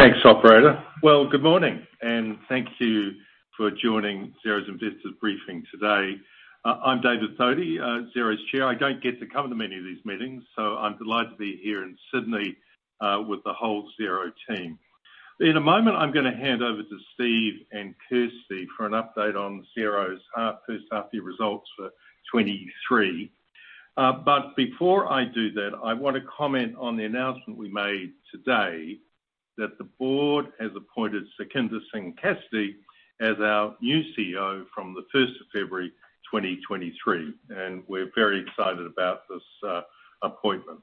Thanks operator. Well, good morning, and thank you for joining Xero's investors briefing today. I'm David Thodey, Xero's Chair. I don't get to come to many of these meetings, so I'm delighted to be here in Sydney with the whole Xero team. In a moment, I'm gonna hand over to Steve and Kirsty for an update on Xero's first half-year results for 2023. Before I do that, I wanna comment on the announcement we made today that the board has appointed Sukhinder Singh Cassidy as our new CEO from the 1st of February 2023, and we're very excited about this appointment.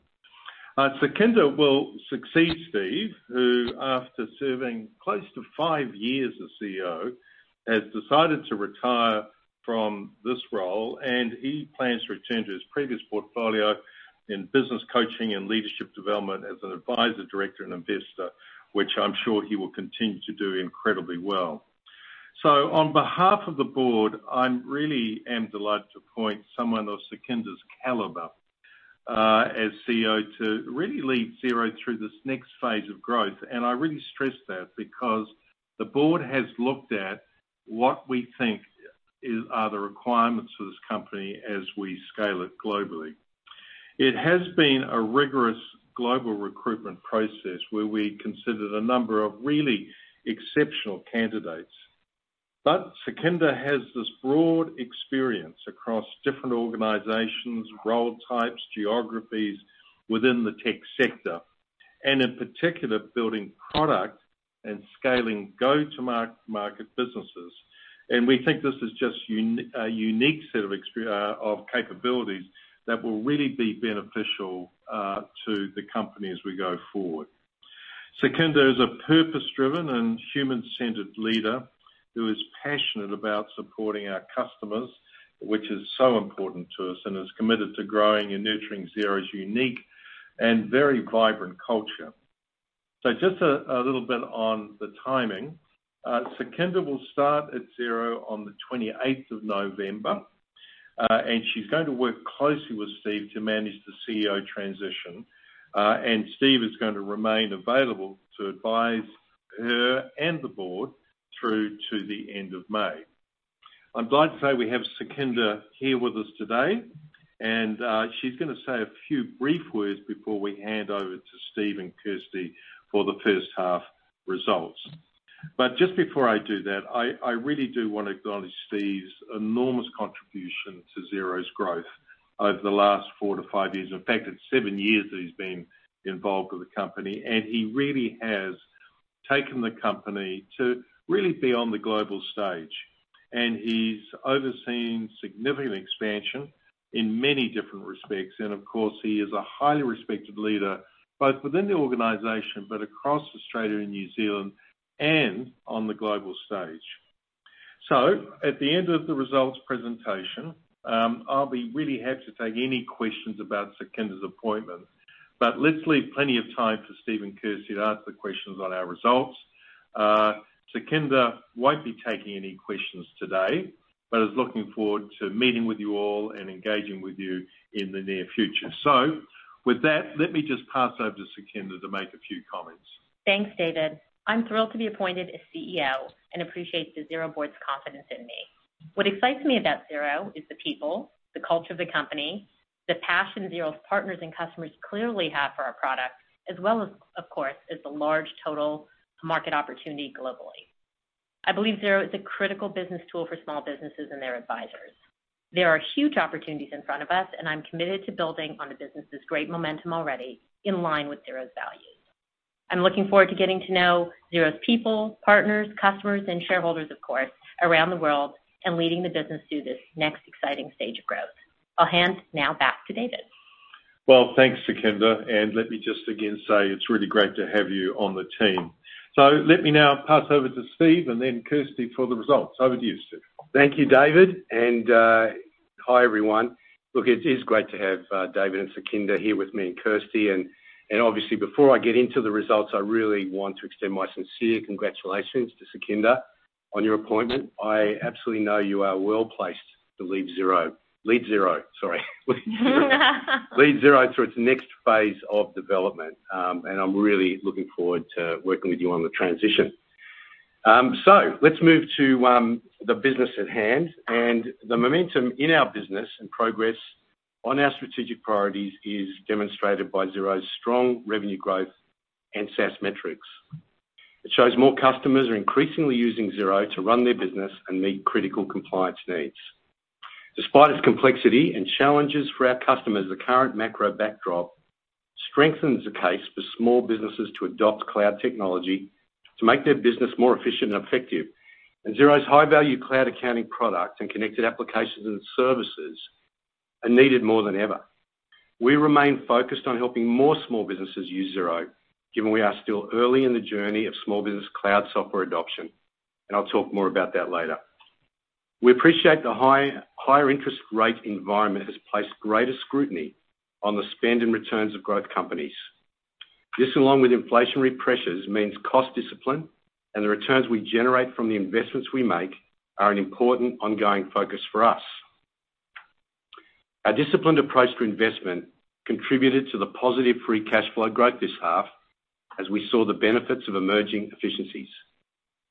Sukhinder will succeed Steve, who after serving close to five years as CEO, has decided to retire from this role, and he plans to return to his previous portfolio in business coaching and leadership development as an advisor, director and investor, which I'm sure he will continue to do incredibly well. On behalf of the board, I'm really delighted to appoint someone of Sukhinder's caliber, as CEO to really lead Xero through this next phase of growth. I really stress that because the board has looked at what we think are the requirements for this company as we scale it globally. It has been a rigorous global recruitment process where we considered a number of really exceptional candidates. Sukhinder has this broad experience across different organizations, role types, geographies within the tech sector, and in particular building product and scaling go-to-market businesses. We think this is just unique set of capabilities that will really be beneficial to the company as we go forward. Sukhinder is a purpose-driven and human-centered leader who is passionate about supporting our customers, which is so important to us, and is committed to growing and nurturing Xero's unique and very vibrant culture. Just a little bit on the timing. Sukhinder will start at Xero on the twenty-eighth of November. She's going to work closely with Steve to manage the CEO transition. Steve is gonna remain available to advise her and the board through to the end of May. I'm glad to say we have Sukhinder here with us today, and she's gonna say a few brief words before we hand over to Steve and Kirsty for the first half results. I really do wanna acknowledge Steve's enormous contribution to Xero's growth over the last four-five years. In fact, it's seven years that he's been involved with the company, and he really has taken the company to really be on the global stage. He's overseen significant expansion in many different respects. Of course, he is a highly respected leader, both within the organization, but across Australia and New Zealand and on the global stage. At the end of the results presentation, I'll be really happy to take any questions about Sukhinder's appointment. Let's leave plenty of time for Steve and Kirsty to answer the questions on our results. Sukhinder won't be taking any questions today but is looking forward to meeting with you all and engaging with you in the near future. With that, let me just pass over to Sukhinder Singh Cassidy to make a few comments. Thanks, David. I'm thrilled to be appointed as CEO and appreciate the Xero board's confidence in me. What excites me about Xero is the people, the culture of the company, the passion Xero's partners and customers clearly have for our product as well as, of course, is the large total market opportunity globally. I believe Xero is a critical business tool for small businesses and their advisors. There are huge opportunities in front of us, and I'm committed to building on the business' great momentum already in line with Xero's values. I'm looking forward to getting to know Xero's people, partners, customers, and shareholders, of course, around the world and leading the business through this next exciting stage of growth. I'll hand now back to David. Well, thanks, Sukhinder, and let me just again say it's really great to have you on the team. Let me now pass over to Steve and then Kirsty for the results. Over to you, Steve. Thank you, David. Hi, everyone. Look, it is great to have David and Sukhinder here with me and Kirsty. Obviously, before I get into the results, I really want to extend my sincere congratulations to Sukhinder on your appointment. I absolutely know you are well-placed to lead Xero through its next phase of development, and I'm really looking forward to working with you on the transition. Let's move to the business at hand and the momentum in our business and progress on our strategic priorities is demonstrated by Xero's strong revenue growth and SaaS metrics. It shows more customers are increasingly using Xero to run their business and meet critical compliance needs. Despite its complexity and challenges for our customers, the current macro backdrop strengthens the case for small businesses to adopt cloud technology to make their business more efficient and effective. Xero's high-value cloud accounting products and connected applications and services are needed more than ever. We remain focused on helping more small businesses use Xero, given we are still early in the journey of small business cloud software adoption, and I'll talk more about that later. We appreciate the higher interest rate environment has placed greater scrutiny on the spend and returns of growth companies. This, along with inflationary pressures, means cost discipline and the returns we generate from the investments we make are an important ongoing focus for us. Our disciplined approach to investment contributed to the positive free cash flow growth this half as we saw the benefits of emerging efficiencies.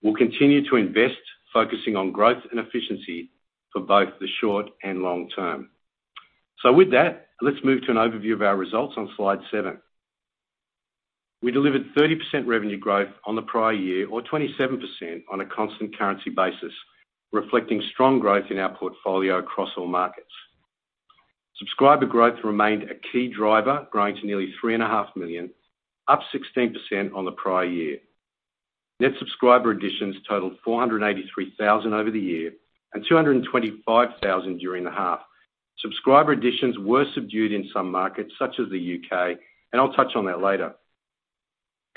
We'll continue to invest, focusing on growth and efficiency for both the short and long term. With that, let's move to an overview of our results on slide seven. We delivered 30% revenue growth on the prior year, or 27% on a constant currency basis, reflecting strong growth in our portfolio across all markets. Subscriber growth remained a key driver, growing to nearly 3.5 million, up 16% on the prior year. Net subscriber additions totaled 483,000 over the year and 225,000 during the half. Subscriber additions were subdued in some markets, such as the U.K., and I'll touch on that later.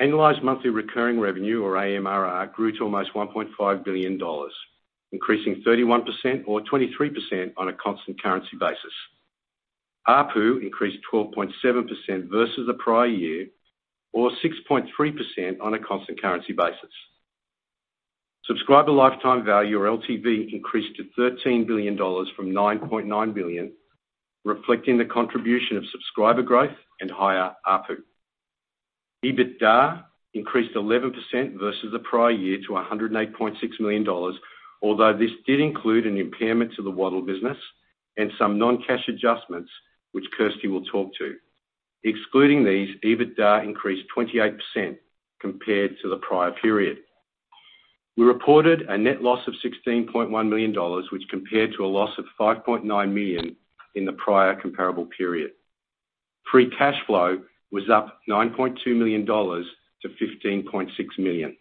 Annualized Monthly Recurring Revenue, or AMRR, grew to almost 1.5 billion dollars, increasing 31% or 23% on a constant currency basis. ARPU increased 12.7% versus the prior year, or 6.3% on a constant currency basis. Subscriber Lifetime Value or LTV increased to 13 billion dollars from 9.9 billion, reflecting the contribution of subscriber growth and higher ARPU. EBITDA increased 11% versus the prior year to 108.6 million dollars, although this did include an impairment to the Waddle business and some non-cash adjustments, which Kirsty will talk to. Excluding these, EBITDA increased 28% compared to the prior period. We reported a net loss of 16.1 million dollars, which compared to a loss of 5.9 million in the prior comparable period. Free cash flow was up 9.2 million dollars to 15.6 million.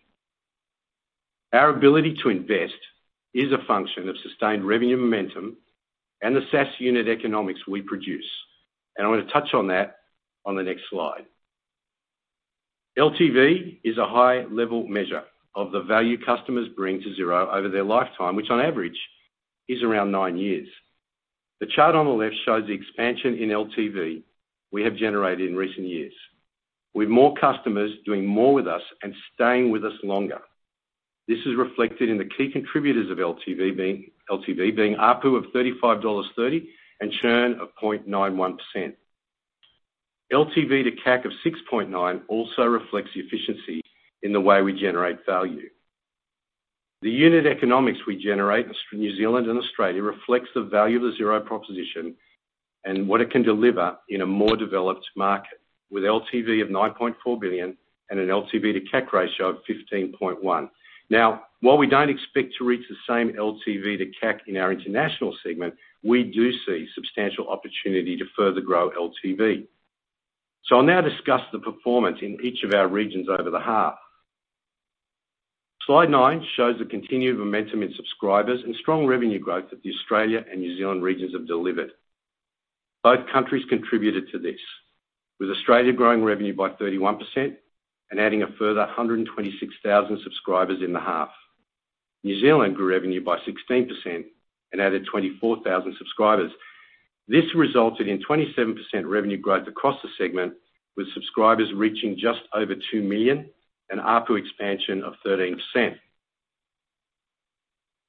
Our ability to invest is a function of sustained revenue momentum and the SaaS unit economics we produce, and I'm gonna touch on that on the next slide. LTV is a high-level measure of the value customers bring to Xero over their lifetime, which on average is around nine years. The chart on the left shows the expansion in LTV we have generated in recent years, with more customers doing more with us and staying with us longer. This is reflected in the key contributors of LTV being ARPU of $35.30 and churn of 0.91%. LTV to CAC of 6.9 also reflects the efficiency in the way we generate value. The unit economics we generate in New Zealand and Australia reflects the value of the Xero proposition and what it can deliver in a more developed market with LTV of 9.4 billion and an LTV to CAC ratio of 15.1. Now, while we don't expect to reach the same LTV to CAC in our international segment, we do see substantial opportunity to further grow LTV. I'll now discuss the performance in each of our regions over the half. Slide nine shows the continued momentum in subscribers and strong revenue growth that the Australia and New Zealand regions have delivered. Both countries contributed to this, with Australia growing revenue by 31% and adding a further 126,000 subscribers in the half. New Zealand grew revenue by 16% and added 24,000 subscribers. This resulted in 27% revenue growth across the segment, with subscribers reaching just over 2 million and ARPU expansion of 13%.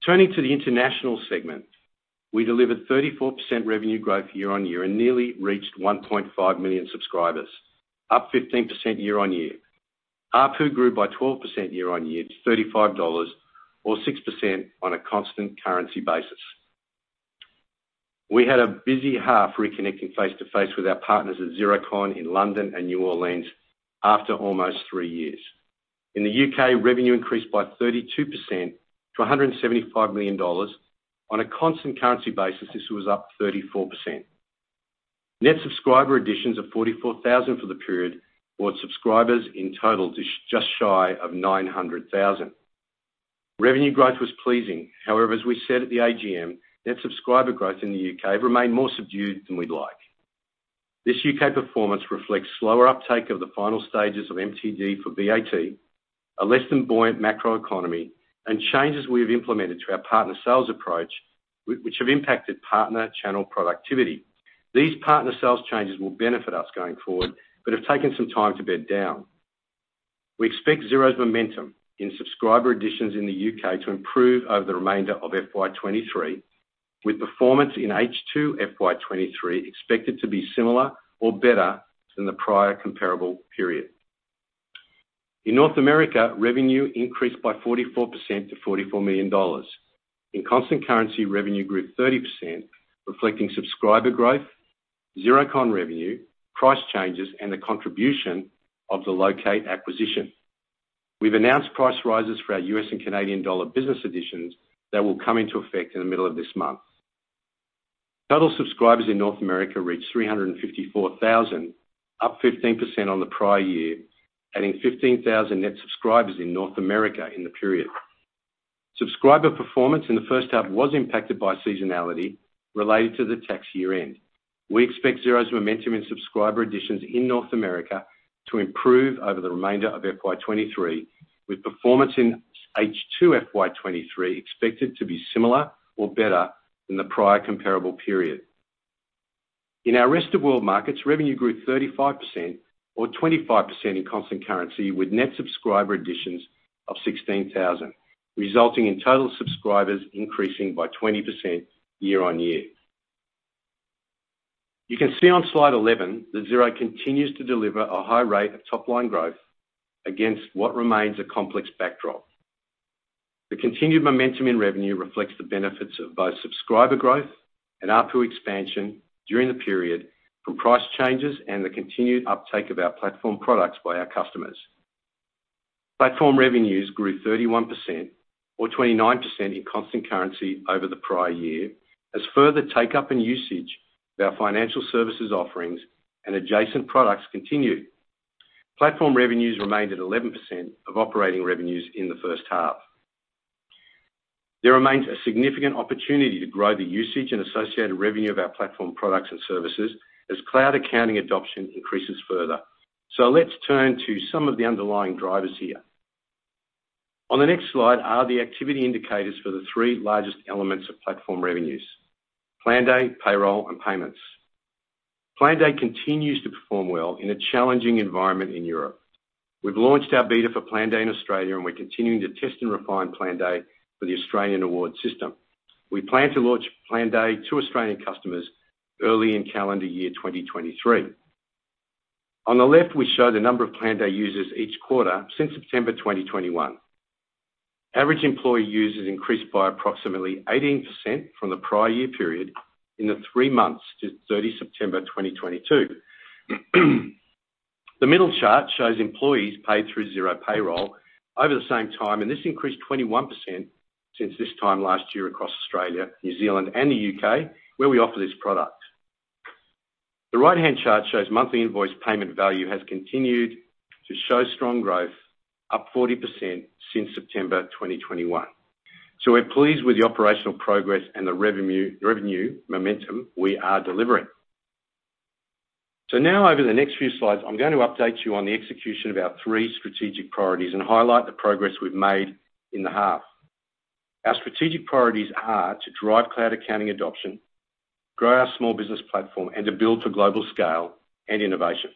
Turning to the international segment, we delivered 34% revenue growth year-on-year and nearly reached 1.5 million subscribers, up 15% year-on-year. ARPU grew by 12% year-on-year to $35 or 6% on a constant currency basis. We had a busy half reconnecting face-to-face with our partners at Xerocon in London and New Orleans after almost three years. In the U.K., revenue increased by 32% to $175 million. On a constant currency basis, this was up 34%. Net subscriber additions of 44,000 for the period brought subscribers in total to just shy of 900,000. Revenue growth was pleasing. However, as we said at the AGM, net subscriber growth in the U.K. remained more subdued than we'd like. This U.K. performance reflects slower uptake of the final stages of MTD for VAT, a less than buoyant macroeconomy, and changes we have implemented to our partner sales approach which have impacted partner channel productivity. These partner sales changes will benefit us going forward but have taken some time to bed down. We expect Xero's momentum in subscriber additions in the U.K. to improve over the remainder of FY 2023, with performance in H2 FY 2023 expected to be similar or better than the prior comparable period. In North America, revenue increased by 44% to $44 million. In constant currency, revenue grew 30%, reflecting subscriber growth, Xerocon revenue, price changes, and the contribution of the LOCATE acquisition. We've announced price rises for our U.S. and Canadian dollar business editions that will come into effect in the middle of this month. Total subscribers in North America reached 354,000, up 15% on the prior year, adding 15,000 net subscribers in North America in the period. Subscriber performance in the first half was impacted by seasonality related to the tax year end. We expect Xero's momentum in subscriber additions in North America to improve over the remainder of FY 2023, with performance in H2 FY 2023 expected to be similar or better than the prior comparable period. In our rest of world markets, revenue grew 35% or 25% in constant currency with net subscriber additions of 16,000. Resulting in total subscribers increasing by 20% year-on-year. You can see on slide 11 that Xero continues to deliver a high rate of top-line growth against what remains a complex backdrop. The continued momentum in revenue reflects the benefits of both subscriber growth and ARPU expansion during the period from price changes and the continued uptake of our platform products by our customers. Platform revenues grew 31% or 29% in constant currency over the prior year as further take-up and usage of our financial services offerings and adjacent products continued. Platform revenues remained at 11% of operating revenues in the first half. There remains a significant opportunity to grow the usage and associated revenue of our platform products and services as cloud accounting adoption increases further. Let's turn to some of the underlying drivers here. On the next slide are the activity indicators for the three largest elements of platform revenues, Planday, Payroll, and Payments. Planday continues to perform well in a challenging environment in Europe. We've launched our beta for Planday in Australia, and we're continuing to test and refine Planday for the Australian award system. We plan to launch Planday to Australian customers early in calendar year 2023. On the left, we show the number of Planday users each quarter since September 2021. Average employee users increased by approximately 18% from the prior year period in the three months to 30 September 2022. The middle chart shows employees paid through Xero Payroll over the same time, and this increased 21% since this time last year across Australia, New Zealand, and the U.K., where we offer this product. The right-hand chart shows monthly invoice payment value has continued to show strong growth, up 40% since September 2021. We're pleased with the operational progress and the revenue momentum we are delivering. Now over the next few slides, I'm going to update you on the execution of our three strategic priorities and highlight the progress we've made in the half. Our strategic priorities are to Drive Cloud Accounting Adoption, grow our Small Business Platform, and to build for Global Scale and Innovation.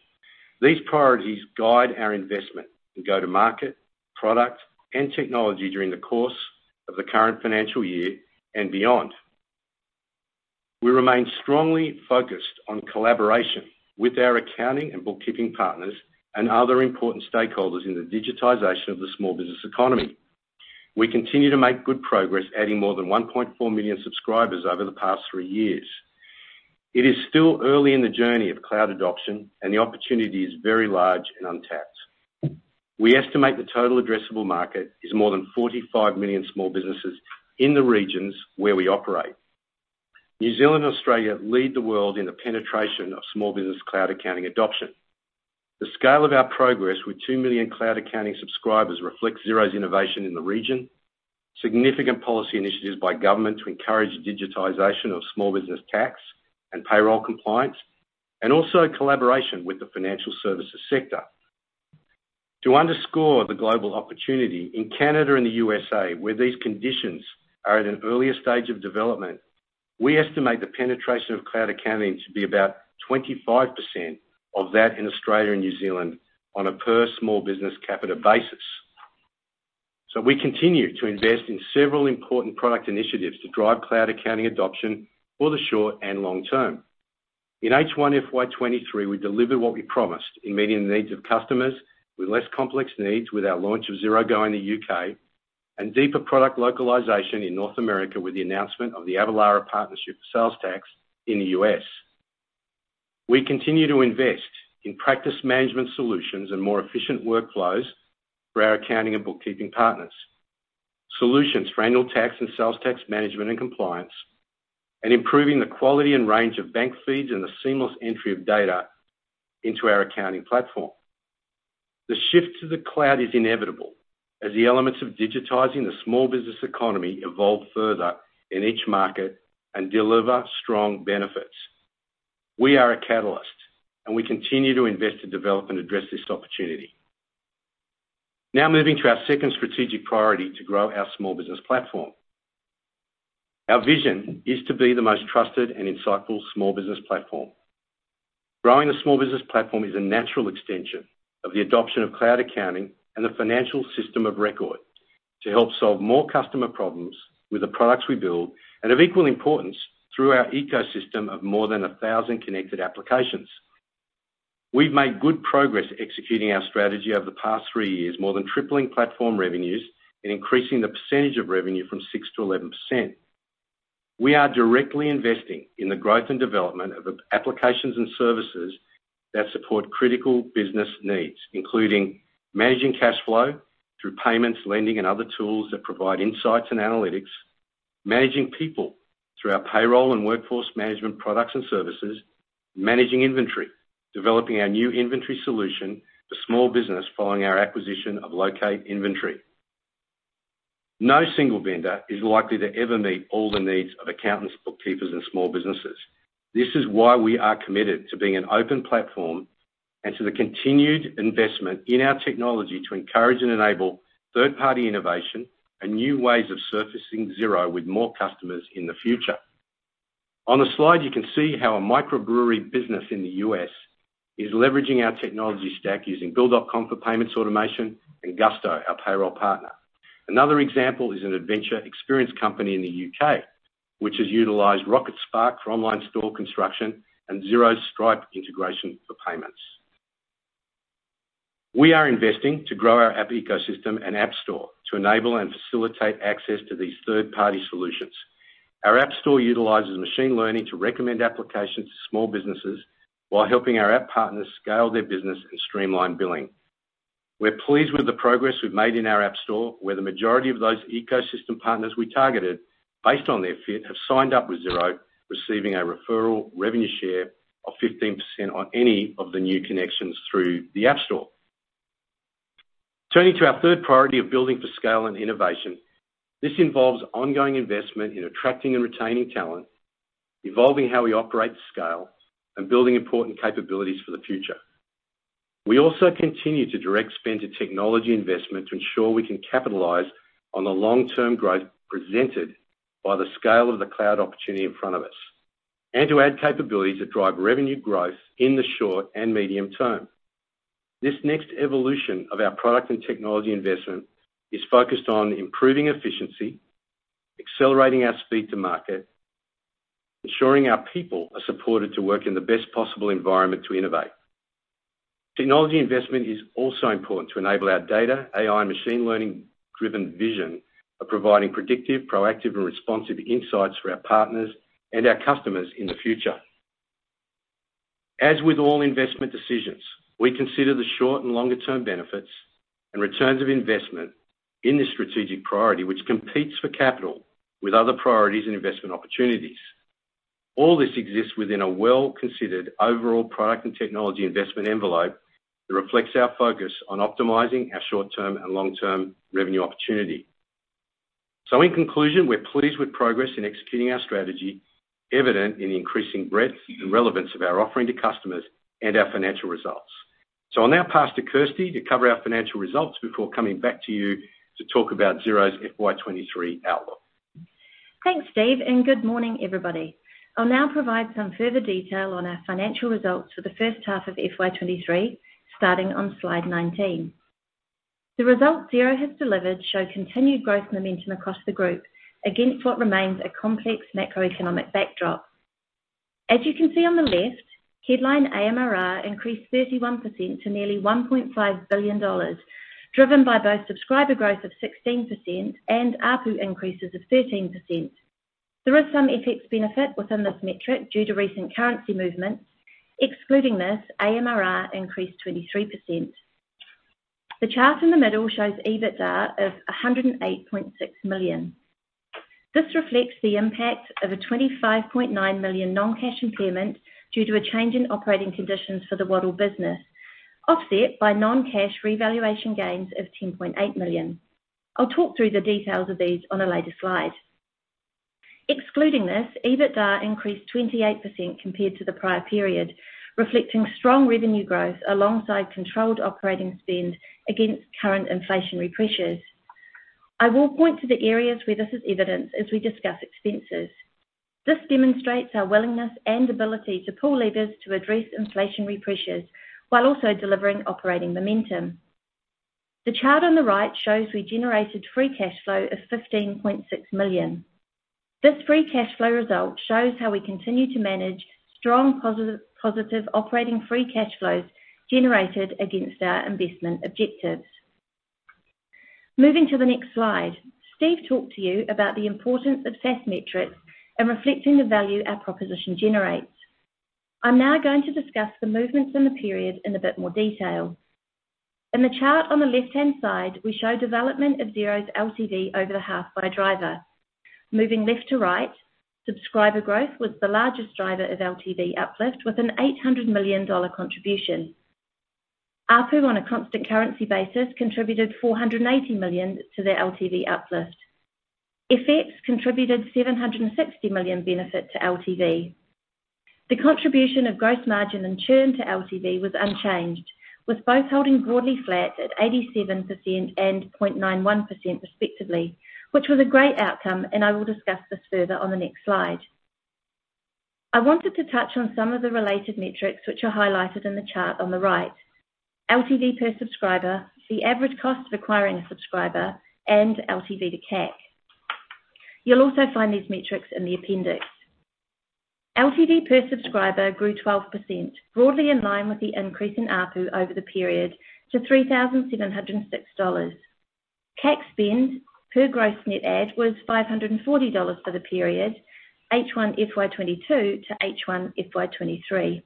These priorities guide our investment in go-to-market, product, and technology during the course of the current financial year and beyond. We remain strongly focused on collaboration with our accounting and bookkeeping partners and other important stakeholders in the digitization of the small business economy. We continue to make good progress, adding more than 1.4 million subscribers over the past three years. It is still early in the journey of cloud adoption, and the opportunity is very large and untapped. We estimate the total addressable market is more than 45 million small businesses in the regions where we operate. New Zealand and Australia lead the world in the penetration of small business cloud accounting adoption. The scale of our progress with 2 million cloud accounting subscribers reflects Xero's innovation in the region, significant policy initiatives by government to encourage digitization of small business tax and payroll compliance, and also collaboration with the financial services sector. To underscore the global opportunity in Canada and the U.S.A, where these conditions are at an earlier stage of development, we estimate the penetration of cloud accounting to be about 25% of that in Australia and New Zealand on a per small business capita basis. We continue to invest in several important product initiatives to Drive Cloud Accounting Adoption for the short and long term. In H1 FY 2023, we delivered what we promised in meeting the needs of customers with less complex needs with our launch of Xero Go in the U.K. and deeper product localization in North America with the announcement of the Avalara partnership for sales tax in the U.S. We continue to invest in practice management solutions and more efficient workflows for our accounting and bookkeeping partners, solutions for annual tax and sales tax management and compliance, and improving the quality and range of bank feeds and the seamless entry of data into our accounting platform. The shift to the cloud is inevitable as the elements of digitizing the small business economy evolve further in each market and deliver strong benefits. We are a catalyst, and we continue to invest to develop and address this opportunity. Now moving to our second strategic priority to grow our Small Business Platform. Our vision is to be the most trusted and insightful Small Business Platform. Growing the Small Business Platform is a natural extension of the adoption of cloud accounting and the financial system of record to help solve more customer problems with the products we build, and of equal importance, through our ecosystem of more than 1,000 connected applications. We've made good progress executing our strategy over the past three years, more than tripling platform revenues and increasing the percentage of revenue from 6% to 11%. We are directly investing in the growth and development of applications and services that support critical business needs, including managing cash flow through payments, lending, and other tools that provide insights and analytics, managing people through our payroll and workforce management products and services, managing inventory, developing our new inventory solution for small business following our acquisition of LOCATE Inventory. No single vendor is likely to ever meet all the needs of accountants, bookkeepers, and small businesses. This is why we are committed to being an open platform and to the continued investment in our technology to encourage and enable third-party innovation and new ways of surfacing Xero with more customers in the future. On the slide, you can see how a microbrewery business in the U.S. is leveraging our technology stack using Bill.com for payments automation and Gusto, our payroll partner. Another example is an adventure experience company in the U.K., which has utilized Rocketspark for online store construction and Xero's Stripe integration for payments. We are investing to grow our app ecosystem and app store to enable and facilitate access to these third-party solutions. Our app store utilizes machine learning to recommend applications to small businesses while helping our app partners scale their business and streamline billing. We're pleased with the progress we've made in our app store, where the majority of those ecosystem partners we targeted based on their fit have signed up with Xero, receiving a referral revenue share of 15% on any of the new connections through the App Store. Turning to our third priority of building for scale and innovation. This involves ongoing investment in attracting and retaining talent, evolving how we operate at scale, and building important capabilities for the future. We also continue to direct spend to technology investment to ensure we can capitalize on the long-term growth presented by the scale of the cloud opportunity in front of us, and to add capabilities that drive revenue growth in the short and medium term. This next evolution of our product and technology investment is focused on improving efficiency, accelerating our speed to market, ensuring our people are supported to work in the best possible environment to innovate. Technology investment is also important to enable our data, AI, and machine learning-driven vision of providing predictive, proactive, and responsive insights for our partners and our customers in the future. As with all investment decisions, we consider the short and longer-term benefits and returns of investment in this strategic priority, which competes for capital with other priorities and investment opportunities. All this exists within a well-considered overall product and technology investment envelope that reflects our focus on optimizing our short-term and long-term revenue opportunity. In conclusion, we're pleased with progress in executing our strategy, evident in the increasing breadth and relevance of our offering to customers and our financial results. I'll now pass to Kirsty to cover our financial results before coming back to you to talk about Xero's FY 2023 outlook. Thanks, Steve, and good morning, everybody. I'll now provide some further detail on our financial results for the first half of FY 2023, starting on slide 19. The results Xero has delivered show continued growth momentum across the group against what remains a complex macroeconomic backdrop. As you can see on the left, headline AMRR increased 31% to nearly 1.5 billion dollars, driven by both subscriber growth of 16% and ARPU increases of 13%. There is some FX benefit within this metric due to recent currency movements. Excluding this, AMRR increased 23%. The chart in the middle shows EBITDA of 108.6 million. This reflects the impact of a 25.9 million non-cash impairment due to a change in operating conditions for the Waddle business, offset by non-cash revaluation gains of 10.8 million. I'll talk through the details of these on a later slide. Excluding this, EBITDA increased 28% compared to the prior period, reflecting strong revenue growth alongside controlled operating spend against current inflationary pressures. I will point to the areas where this is evident as we discuss expenses. This demonstrates our willingness and ability to pull levers to address inflationary pressures while also delivering operating momentum. The chart on the right shows we generated free cash flow of 15.6 million. This free cash flow result shows how we continue to manage strong, positive operating free cash flows generated against our investment objectives. Moving to the next slide. Steve talked to you about the importance of SaaS metrics in reflecting the value our proposition generates. I'm now going to discuss the movements in the period in a bit more detail. In the chart on the left-hand side, we show development of Xero's LTV over the half by driver. Moving left to right, subscriber growth was the largest driver of LTV uplift, with an $800 million contribution. ARPU, on a constant currency basis, contributed $480 million to the LTV uplift. FX contributed $760 million benefit to LTV. The contribution of gross margin and churn to LTV was unchanged, with both holding broadly flat at 87% and 0.91% respectively, which was a great outcome, and I will discuss this further on the next slide. I wanted to touch on some of the related metrics which are highlighted in the chart on the right. LTV per subscriber, the average cost of acquiring a subscriber, and LTV to CAC. You'll also find these metrics in the appendix. LTV per subscriber grew 12%, broadly in line with the increase in ARPU over the period to 3,706 dollars. CAC spend per gross net add was 540 dollars for the period H1 FY 2022 to H1 FY 2023.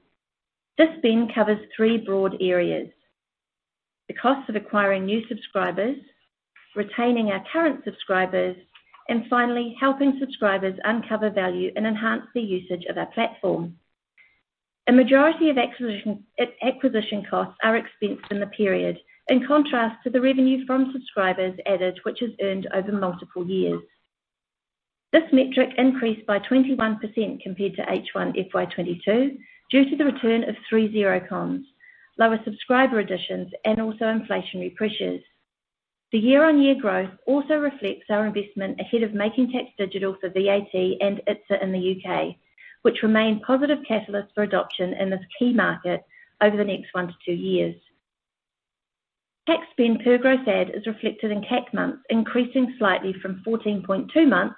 This spend covers three broad areas, the cost of acquiring new subscribers, retaining our current subscribers, and finally, helping subscribers uncover value and enhance their usage of our platform. A majority of acquisition costs are expensed in the period, in contrast to the revenue from subscribers added, which is earned over multiple years. This metric increased by 21% compared to H1 FY 2022 due to the return of three Xerocons, lower subscriber additions, and also inflationary pressures. The year-on-year growth also reflects our investment ahead of Making Tax Digital for VAT and ITSA in the U.K., which remain positive catalysts for adoption in this key market over the next one-two years. Tax spend per growth add is reflected in CAC months, increasing slightly from 14.2 months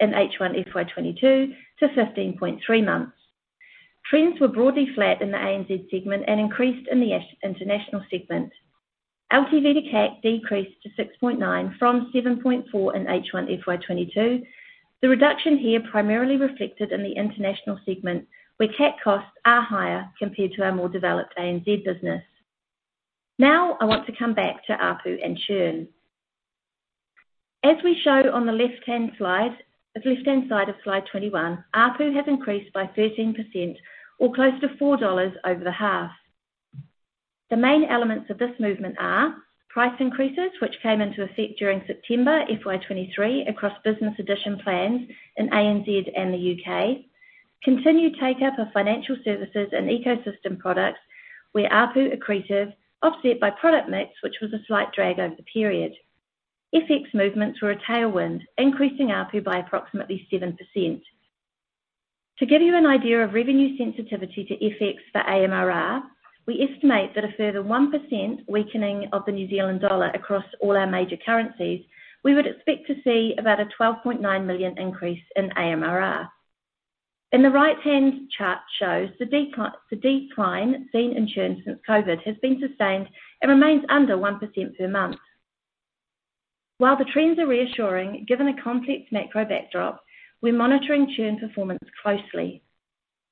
in H1 FY 2022 to 15.3 months. Trends were broadly flat in the ANZ segment and increased in the international segment. LTV to CAC decreased to 6.9 from 7.4 in H1 FY 2022. The reduction here primarily reflected in the international segment, where CAC costs are higher compared to our more developed ANZ business. Now, I want to come back to ARPU and churn. As we show on the left-hand slide, the left-hand side of slide 21, ARPU has increased by 13% or close to 4 dollars over the half. The main elements of this movement are price increases, which came into effect during September FY 2023 across business edition plans in ANZ and the U.K., continued take-up of financial services and ecosystem products, where ARPU accretive offset by product mix, which was a slight drag over the period. FX movements were a tailwind, increasing ARPU by approximately 7%. To give you an idea of revenue sensitivity to FX for AMRR, we estimate that a further 1% weakening of the New Zealand dollar across all our major currencies, we would expect to see about a 12.9 million increase in AMRR. The right-hand chart shows the decline seen in churn since COVID has been sustained and remains under 1% per month. While the trends are reassuring, given a complex macro backdrop, we're monitoring churn performance closely.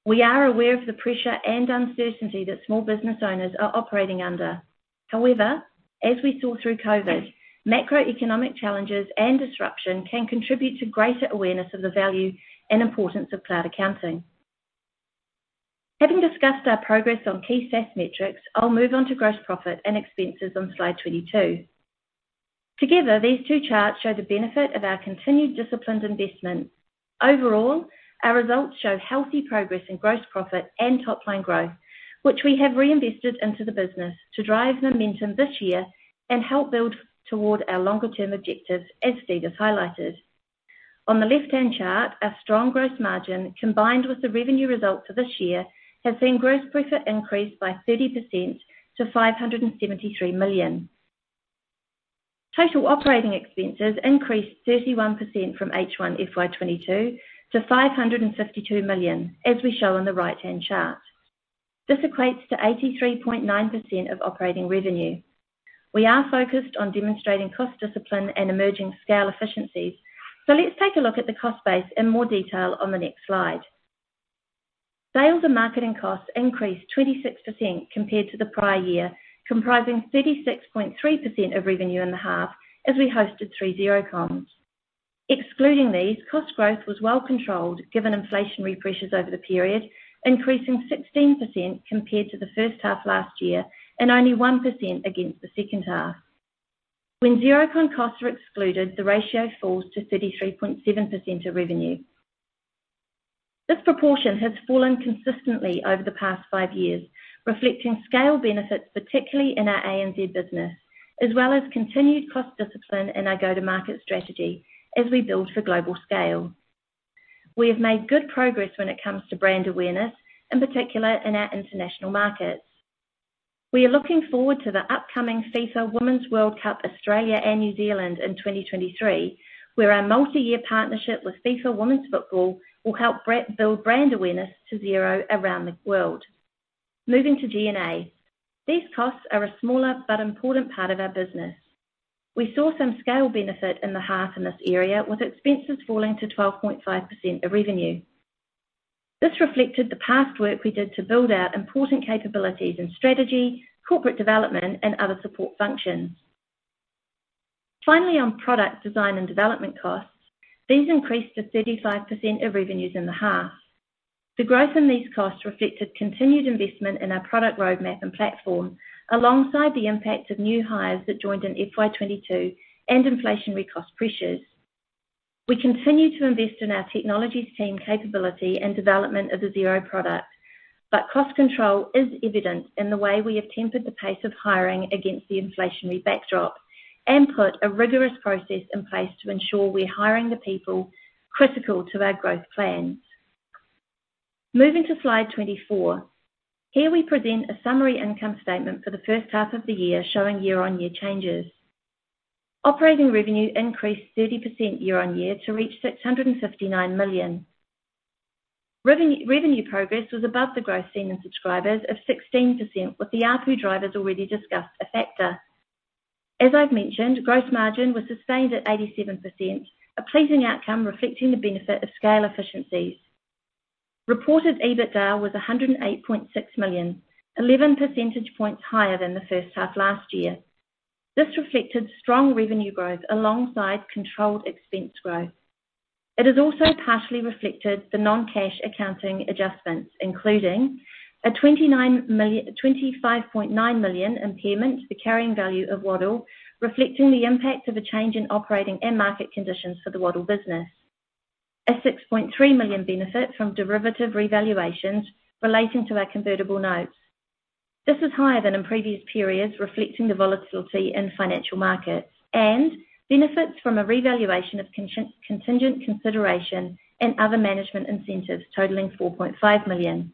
We are aware of the pressure and uncertainty that small business owners are operating under. However, as we saw through COVID, macroeconomic challenges and disruption can contribute to greater awareness of the value and importance of cloud accounting. Having discussed our progress on key SaaS metrics, I'll move on to gross profit and expenses on slide 22. Together, these two charts show the benefit of our continued disciplined investment. Overall, our results show healthy progress in gross profit and top-line growth, which we have reinvested into the business to drive momentum this year and help build toward our longer-term objectives, as Steve has highlighted. On the left-hand chart, our strong gross margin, combined with the revenue results for this year, has seen gross profit increase by 30% to 573 million. Total operating expenses increased 31% from H1 FY 2022 to 552 million, as we show on the right-hand chart. This equates to 83.9% of operating revenue. We are focused on demonstrating cost discipline and emerging scale efficiencies. Let's take a look at the cost base in more detail on the next slide. Sales and marketing costs increased 26% compared to the prior year, comprising 36.3% of revenue in the half as we hosted three Xerocons. Excluding these, cost growth was well controlled given inflationary pressures over the period, increasing 16% compared to the first half last year and only 1% against the second half. When Xerocon costs are excluded, the ratio falls to 33.7% of revenue. This proportion has fallen consistently over the past five years, reflecting scale benefits, particularly in our ANZ business, as well as continued cost discipline in our go-to-market strategy as we build for global scale. We have made good progress when it comes to brand awareness, in particular in our international markets. We are looking forward to the upcoming FIFA Women's World Cup Australia and New Zealand in 2023, where our multi-year partnership with FIFA Women's Football will help build brand awareness to Xero around the world. Moving to G&A. These costs are a smaller but important part of our business. We saw some scale benefit in the half in this area, with expenses falling to 12.5% of revenue. This reflected the past work we did to build our important capabilities in strategy, corporate development and other support functions. Finally, on product design and development costs, these increased to 35% of revenues in the half. The growth in these costs reflected continued investment in our product roadmap and platform, alongside the impacts of new hires that joined in FY 2022 and inflationary cost pressures. We continue to invest in our technologies team capability and development of the Xero product, but cost control is evident in the way we have tempered the pace of hiring against the inflationary backdrop and put a rigorous process in place to ensure we're hiring the people critical to our growth plans. Moving to slide 24. Here we present a summary income statement for the first half of the year, showing year-on-year changes. Operating revenue increased 30% year-on-year to reach 659 million. Revenue progress was above the growth seen in subscribers of 16%, with the ARPU drivers already discussed a factor. As I've mentioned, gross margin was sustained at 87%, a pleasing outcome reflecting the benefit of scale efficiencies. Reported EBITDA was 108.6 million, 11 percentage points higher than the first half last year. This reflected strong revenue growth alongside controlled expense growth. It has also partially reflected the non-cash accounting adjustments, including a 25.9 million impairment to the carrying value of Waddle, reflecting the impact of a change in operating and market conditions for the Waddle business. A 6.3 million benefit from derivative revaluations relating to our convertible notes. This is higher than in previous periods, reflecting the volatility in financial markets and benefits from a revaluation of contingent consideration and other management incentives totaling 4.5 million.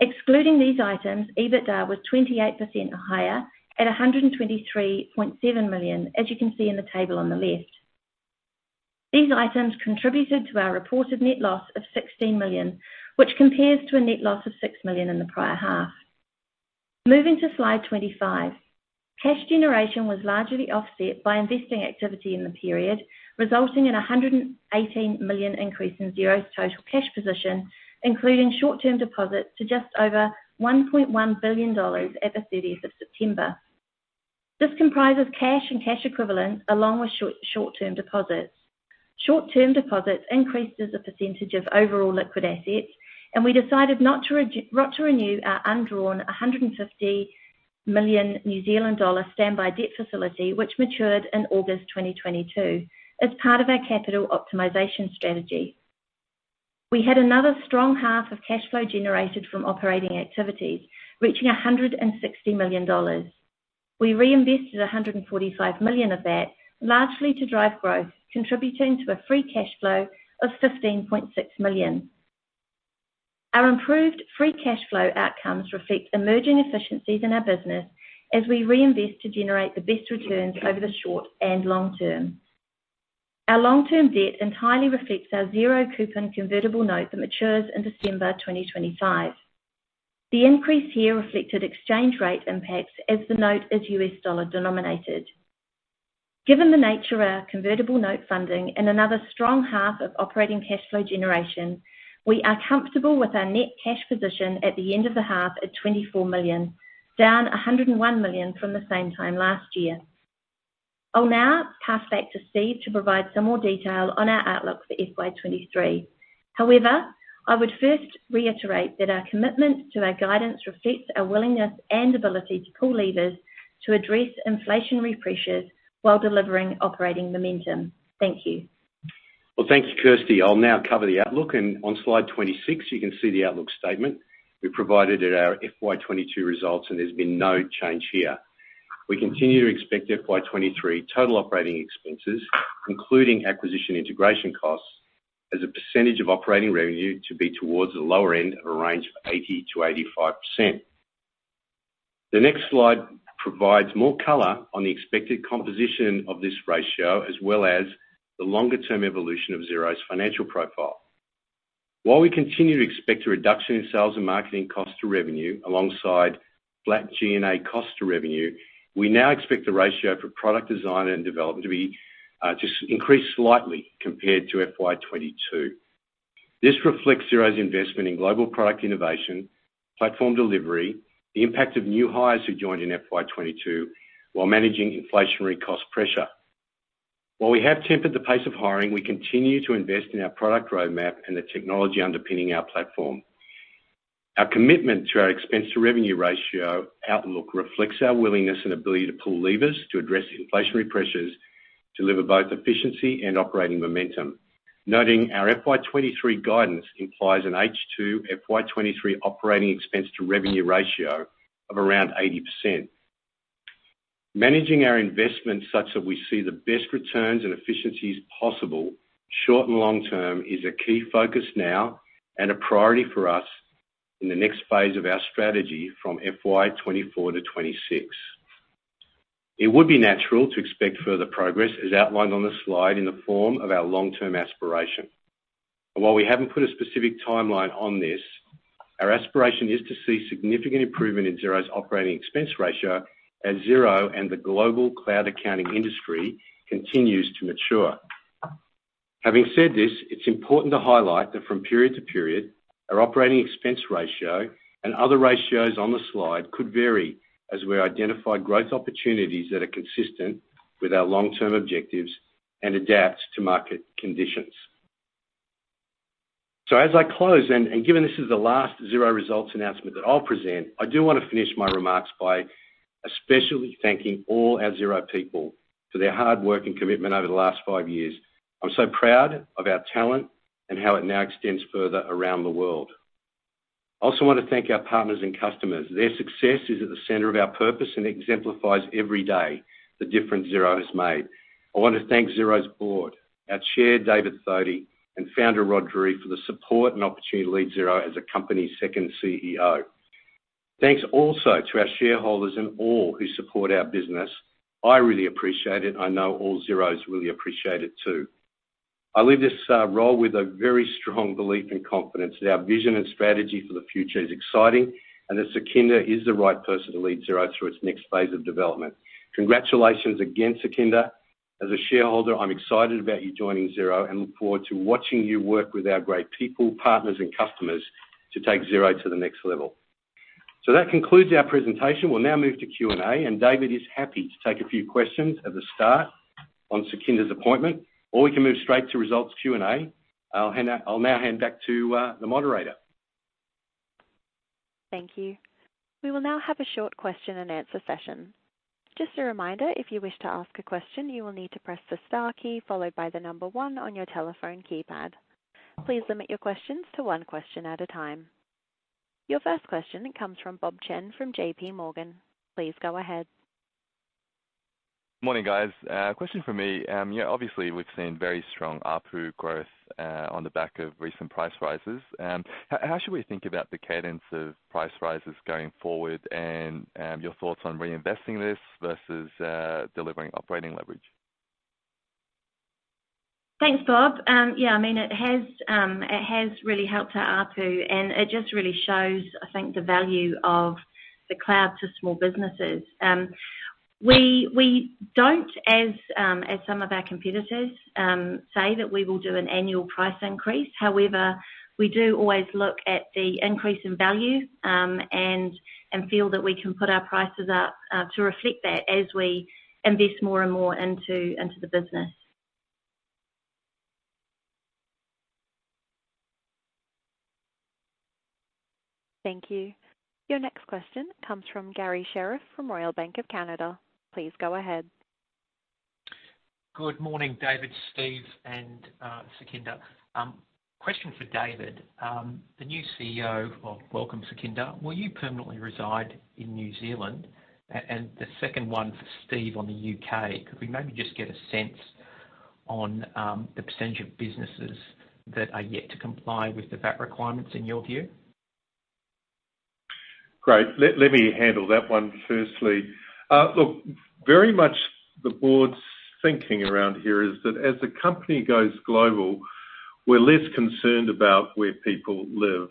Excluding these items, EBITDA was 28% higher at 123.7 million, as you can see in the table on the left. These items contributed to our reported net loss of 16 million, which compares to a net loss of 6 million in the prior half. Moving to slide 25. Cash generation was largely offset by investing activity in the period, resulting in a 118 million increase in Xero's total cash position, including short-term deposits to just over 1.1 billion dollars at the thirtieth of September. This comprises cash and cash equivalents along with short-term deposits. Short-term deposits increased as a percentage of overall liquid assets, and we decided not to renew our undrawn 150 million New Zealand dollar standby debt facility, which matured in August 2022 as part of our capital optimization strategy. We had another strong half of cash flow generated from operating activities, reaching 160 million dollars. We reinvested 145 million of that, largely to drive growth, contributing to a free cash flow of 15.6 million. Our improved free cash flow outcomes reflect emerging efficiencies in our business as we reinvest to generate the best returns over the short and long term. Our long-term debt entirely reflects our zero-coupon convertible note that matures in December 2025. The increase here reflected exchange rate impacts as the note is U.S. dollar denominated. Given the nature of our convertible note funding and another strong half of operating cash flow generation, we are comfortable with our net cash position at the end of the half at 24 million, down 101 million from the same time last year. I'll now pass back to Steve to provide some more detail on our outlook for FY 2023. However, I would first reiterate that our commitment to our guidance reflects our willingness and ability to pull levers to address inflationary pressures while delivering operating momentum. Thank you. Well, thank you, Kirsty. I'll now cover the outlook. On slide 26, you can see the outlook statement we provided at our FY 2022 results, and there's been no change here. We continue to expect FY 2023 total operating expenses, including acquisition integration costs as a percentage of operating revenue, to be towards the lower end of a range of 80%-85%. The next slide provides more color on the expected composition of this ratio, as well as the longer-term evolution of Xero's financial profile. While we continue to expect a reduction in sales and marketing cost to revenue alongside flat G&A cost to revenue, we now expect the ratio for product design and development to be to increase slightly compared to FY 2022. This reflects Xero's investment in global product innovation, platform delivery, the impact of new hires who joined in FY 2022 while managing inflationary cost pressure. While we have tempered the pace of hiring, we continue to invest in our product roadmap and the technology underpinning our platform. Our commitment to our expense-to-revenue ratio outlook reflects our willingness and ability to pull levers to address inflationary pressures, deliver both efficiency and operating momentum. Noting our FY 2023 guidance implies an H2 FY 2023 operating expense-to-revenue ratio of around 80%. Managing our investments such that we see the best returns and efficiencies possible, short and long term, is a key focus now and a priority for us in the next phase of our strategy from FY 2024 to 2026. It would be natural to expect further progress as outlined on the slide in the form of our long-term aspiration. While we haven't put a specific timeline on this, our aspiration is to see significant improvement in Xero's operating expense ratio as Xero and the global cloud accounting industry continues to mature. Having said this, it's important to highlight that from period to period, our operating expense ratio and other ratios on the slide could vary as we identify growth opportunities that are consistent with our long-term objectives and adapt to market conditions. As I close and given this is the last Xero results announcement that I'll present, I do wanna finish my remarks by especially thanking all our Xero people for their hard work and commitment over the last five years. I'm so proud of our talent and how it now extends further around the world. I also want to thank our partners and customers. Their success is at the center of our purpose and exemplifies every day the difference Xero has made. I want to thank Xero's board, our Chair, David Thodey, and Founder Rod Drury, for the support and opportunity to lead Xero as the company's second CEO. Thanks also to our shareholders and all who support our business. I really appreciate it. I know all Xeros really appreciate it too. I leave this role with a very strong belief and confidence that our vision and strategy for the future is exciting and that Sukhinder is the right person to lead Xero through its next phase of development. Congratulations again, Sukhinder. As a shareholder, I'm excited about you joining Xero and look forward to watching you work with our great people, partners, and customers to take Xero to the next level. That concludes our presentation. We'll now move to Q&A, and David is happy to take a few questions at the start on Sukhinder's appointment, or we can move straight to results Q&A. I'll now hand back to the moderator. Thank you. We will now have a short question-and-answer session. Just a reminder, if you wish to ask a question, you will need to press the star key followed by the number one on your telephone keypad. Please limit your questions to one question at a time. Your first question comes from Bob Chen from J.P. Morgan. Please go ahead. Morning, guys. Question for me. Yeah, obviously we've seen very strong ARPU growth on the back of recent price rises. How should we think about the cadence of price rises going forward and your thoughts on reinvesting this versus delivering operating leverage? Thanks, Bob. I mean, it has really helped our ARPU, and it just really shows, I think, the value of the cloud to small businesses. We don't, as some of our competitors, say that we will do an annual price increase. However, we do always look at the increase in value, and feel that we can put our prices up, to reflect that as we invest more and more into the business. Thank you. Your next question comes from Garry Sherriff from Royal Bank of Canada. Please go ahead. Good morning, David, Steve, and Sukhinder. Question for David. The new CEO of Xero, Sukhinder. Will you permanently reside in New Zealand? The second one for Steve on the U.K. Could we maybe just get a sense on the percentage of businesses that are yet to comply with the VAT requirements in your view? Great. Let me handle that one firstly. Look, very much the board's thinking around here is that as the company goes global, we're less concerned about where people live.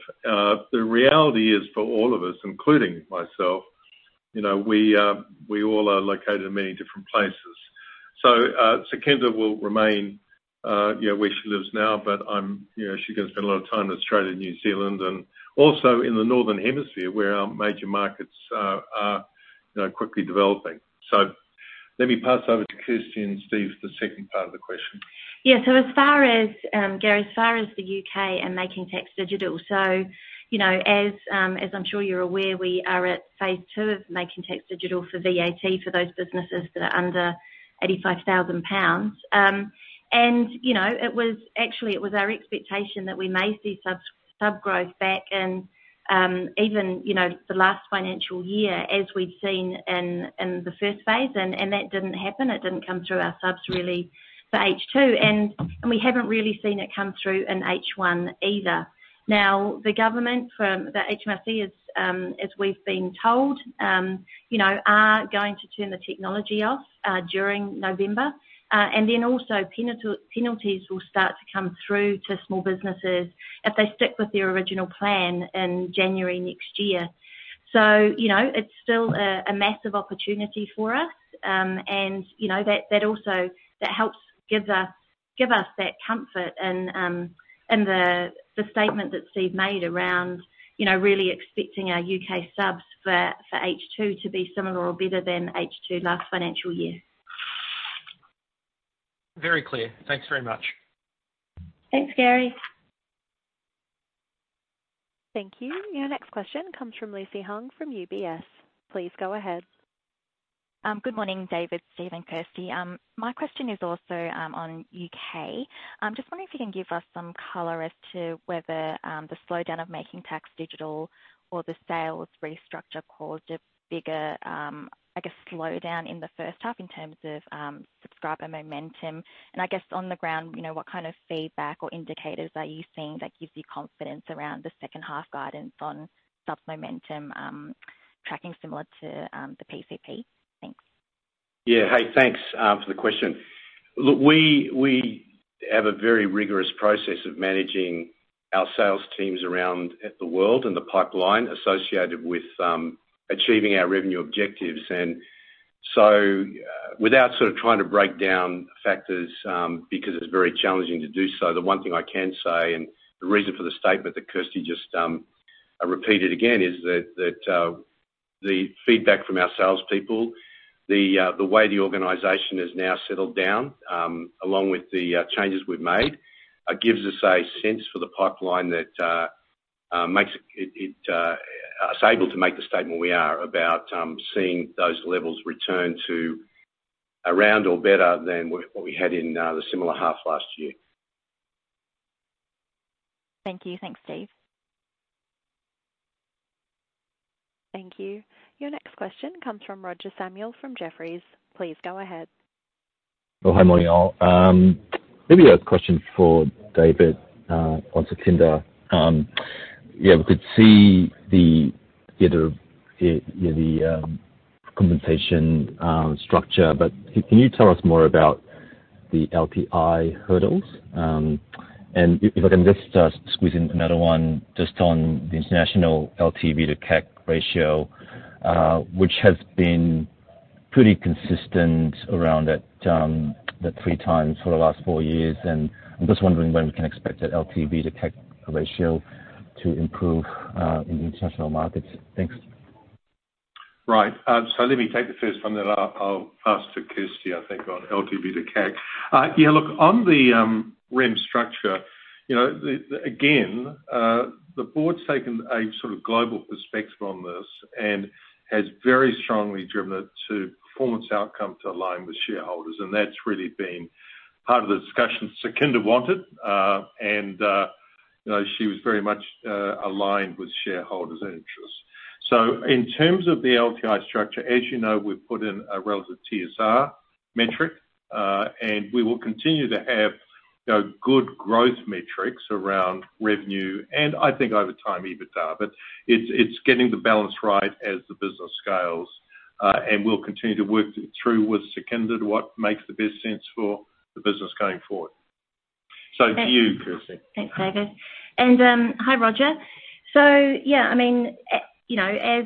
The reality is, for all of us, including myself, you know, we all are located in many different places. Sukhinder will remain, you know, where she lives now, but you know, she's gonna spend a lot of time in Australia and New Zealand and also in the Northern Hemisphere, where our major markets are, you know, quickly developing. Let me pass over to Kirsty and Steve for the second part of the question. Yeah. As far as Garry, as far as the U.K. and Making Tax Digital, you know, as I'm sure you're aware, we are at phase two of Making Tax Digital for VAT for those businesses that are under 85,000 pounds. Actually, it was our expectation that we may see sub growth back in even the last financial year, as we'd seen in the first phase. We haven't really seen it come through in H2. We haven't really seen it come through in H1 either. Now, the government from HMRC is, as we've been told, you know, are going to turn the technology off during November. Penalties will start to come through to small businesses if they stick with their original plan in January next year. You know, it's still a massive opportunity for us. You know, that also helps give us that comfort in the statement that Steve made around, you know, really expecting our U.K. subs for H2 to be similar or better than H2 last financial year. Very clear. Thanks very much. Thanks, Garry. Thank you. Your next question comes from Lucy Huang from UBS. Please go ahead. Good morning, David, Steve, and Kirsty. My question is also on U.K. I'm just wondering if you can give us some color as to whether the slowdown of Making Tax Digital or the sales restructure caused a bigger slowdown in the first half in terms of subscriber momentum. I guess on the ground, you know, what kind of feedback or indicators are you seeing that gives you confidence around the second half guidance on sub momentum tracking similar to the PCP? Thanks. Yeah. Hey, thanks for the question. Look, we have a very rigorous process of managing our sales teams around the world and the pipeline associated with achieving our revenue objectives. Without sort of trying to break down factors, because it's very challenging to do so, the one thing I can say and the reason for the statement that Kirsty just repeated again is that the feedback from our salespeople, the way the organization has now settled down, along with the changes we've made, gives us a sense for the pipeline that makes us able to make the statement we are about seeing those levels return to around or better than what we had in the similar half last year. Thank you. Thanks, Steve. Thank you. Your next question comes from Roger Samuel from Jefferies. Please go ahead. Oh, hi. Morning, y'all. Maybe a question for David or Sukhinder. Yeah, we could see the, you know, compensation structure, but can you tell us more about the LTI hurdles? If I can just squeeze in another one just on the international LTV to CAC ratio, which has been pretty consistent around that 3x for the last four years, and I'm just wondering when we can expect that LTV to CAC ratio to improve in the international markets. Thanks. Right. So let me take the first one, then I'll pass to Kirsty, I think, on LTV to CAC. Yeah, look on the rem structure, you know, the again, the board's taken a sort of global perspective on this and has very strongly driven it to performance outcome to align with shareholders. That's really been part of the discussion Sukhinder wanted, and you know, she was very much aligned with shareholders' interests. In terms of the LTI structure, as you know, we've put in a relative TSR metric, and we will continue to have, you know, good growth metrics around revenue, and I think over time, EBITDA. But it's getting the balance right as the business scales, and we'll continue to work through with Sukhinder what makes the best sense for the business going forward. To you, Kirsty. Thanks, David. Hi, Roger. Yeah, I mean, you know,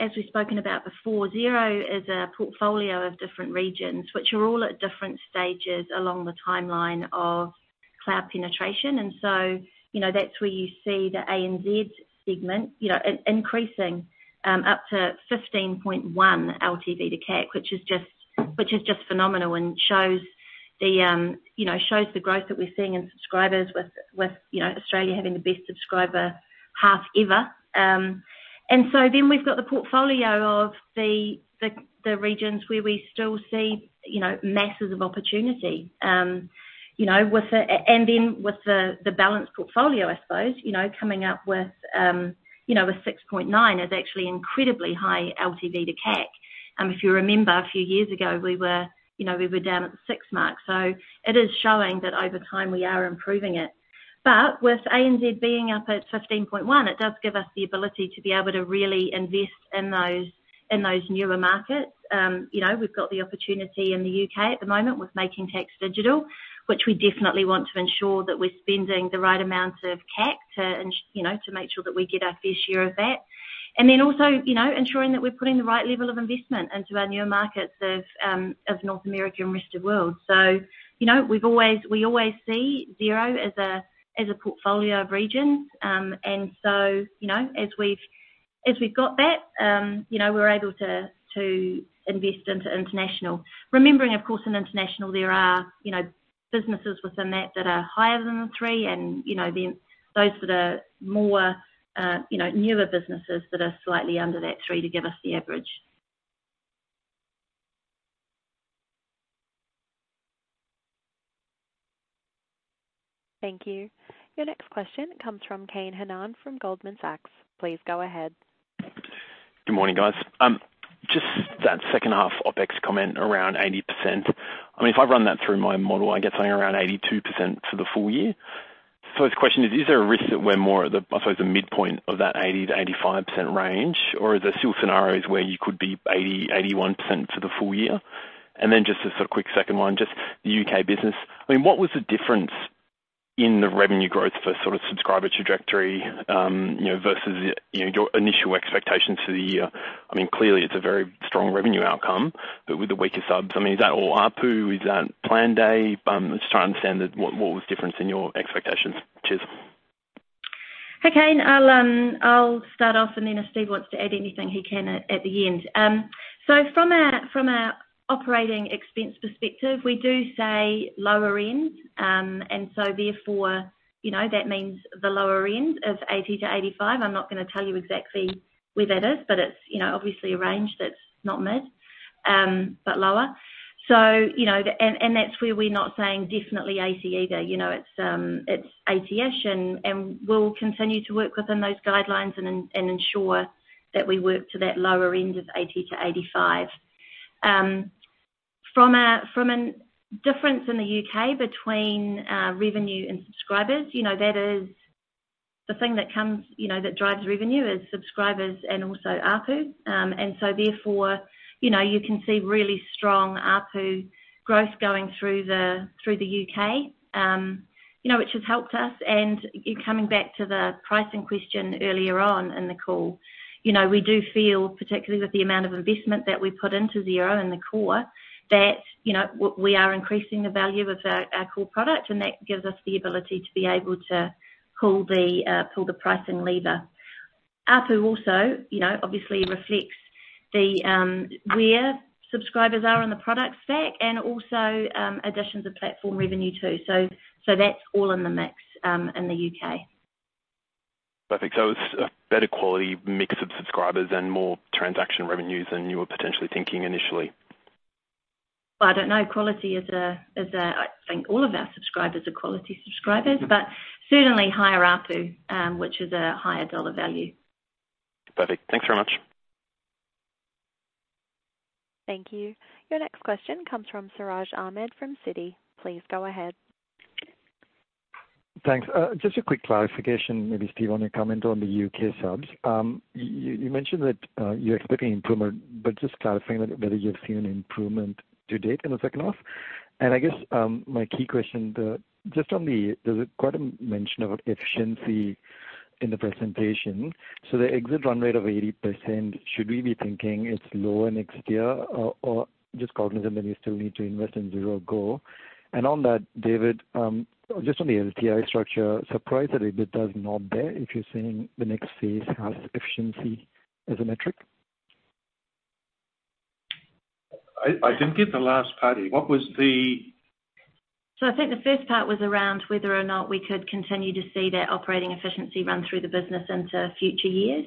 as we've spoken about before, Xero is a portfolio of different regions, which are all at different stages along the timeline of cloud penetration. You know, that's where you see the ANZ segment, you know, increasing up to 15.1 LTV to CAC, which is just phenomenal and shows the growth that we're seeing in subscribers with Australia having the best subscriber haul ever. We've got the portfolio of the regions where we still see masses of opportunity. You know, with the balanced portfolio, I suppose, you know, coming up with a 6.9 is actually incredibly high LTV to CAC. If you remember a few years ago, we were, you know, down at the six mark, so it is showing that over time we are improving it. With ANZ being up at 15.1, it does give us the ability to be able to really invest in those newer markets. You know, we've got the opportunity in the U.K. at the moment with Making Tax Digital, which we definitely want to ensure that we're spending the right amount of CAC to, you know, to make sure that we get our fair share of that. And then also, you know, ensuring that we're putting the right level of investment into our newer markets of North America and rest of world. You know, we've always see Xero as a portfolio of regions. You know, as we've got that, you know, we're able to invest into international. Remembering, of course, in international there are, you know, businesses within that that are higher than the three and, you know, then those that are more, you know, newer businesses that are slightly under that three to give us the average. Thank you. Your next question comes from Kane Hannan from Goldman Sachs. Please go ahead. Good morning, guys. Just that second half OpEx comment around 80%. I mean, if I run that through my model, I get something around 82% for the full year. The question is there a risk that we're more at the, I suppose, the midpoint of that 80%-85% range, or are there still scenarios where you could be 80%-81% for the full year? Just a sort of quick second one, just the U.K. business. I mean, what was the difference in the revenue growth for sort of subscriber trajectory, you know, versus you know, your initial expectations for the year? I mean, clearly it's a very strong revenue outcome, but with the weaker subs, I mean, is that all ARPU? Is that Planday? Just trying to understand what was different in your expectations? Cheers. Hey, Kane. I'll start off and then if Steve wants to add anything he can at the end. From an operating expense perspective, we do say lower end. Therefore, you know, that means the lower end of 80%-85%. I'm not gonna tell you exactly where that is, but it's, you know, obviously a range that's not mid, but lower. You know, that's where we're not saying definitely 80% either, you know, it's 80%-ish, and we'll continue to work within those guidelines and ensure that we work to that lower end of 80%-85%. From a difference in the U.K. between revenue and subscribers, you know, that is the thing that comes, you know, that drives revenue is subscribers and also ARPU. Therefore, you know, you can see really strong ARPU growth going through the U.K., you know, which has helped us. You know, coming back to the pricing question earlier on in the call. You know, we do feel particularly with the amount of investment that we put into Xero and the core, that, you know, we are increasing the value of our core product, and that gives us the ability to be able to pull the pricing lever. ARPU also, you know, obviously reflects the where subscribers are in the product set and also additions of platform revenue too. So that's all in the mix, in the U.K.. Perfect. It's a better quality mix of subscribers and more transaction revenues than you were potentially thinking initially. I don't know. Quality is a, I think all of our subscribers are quality subscribers. Mm-hmm. Certainly higher ARPU, which is a higher dollar value. Perfect. Thanks very much. Thank you. Your next question comes from Siraj Ahmed from Citi. Please go ahead. Thanks. Just a quick clarification, maybe Steve, on your comment on the U.K. subs. You mentioned that you're expecting improvement, but just clarifying that whether you've seen an improvement to date in the second half. I guess my key question, just on the, there's quite a mention of efficiency in the presentation. So the exit run rate of 80%, should we be thinking it's lower next year or just cognizant that you still need to invest in Xero Go? On that, David, just on the LTI structure, surprised that EBITDA is not there if you're saying the next phase has efficiency as a metric. I didn't get the last part. What was the? I think the first part was around whether or not we could continue to see that operating efficiency run through the business into future years.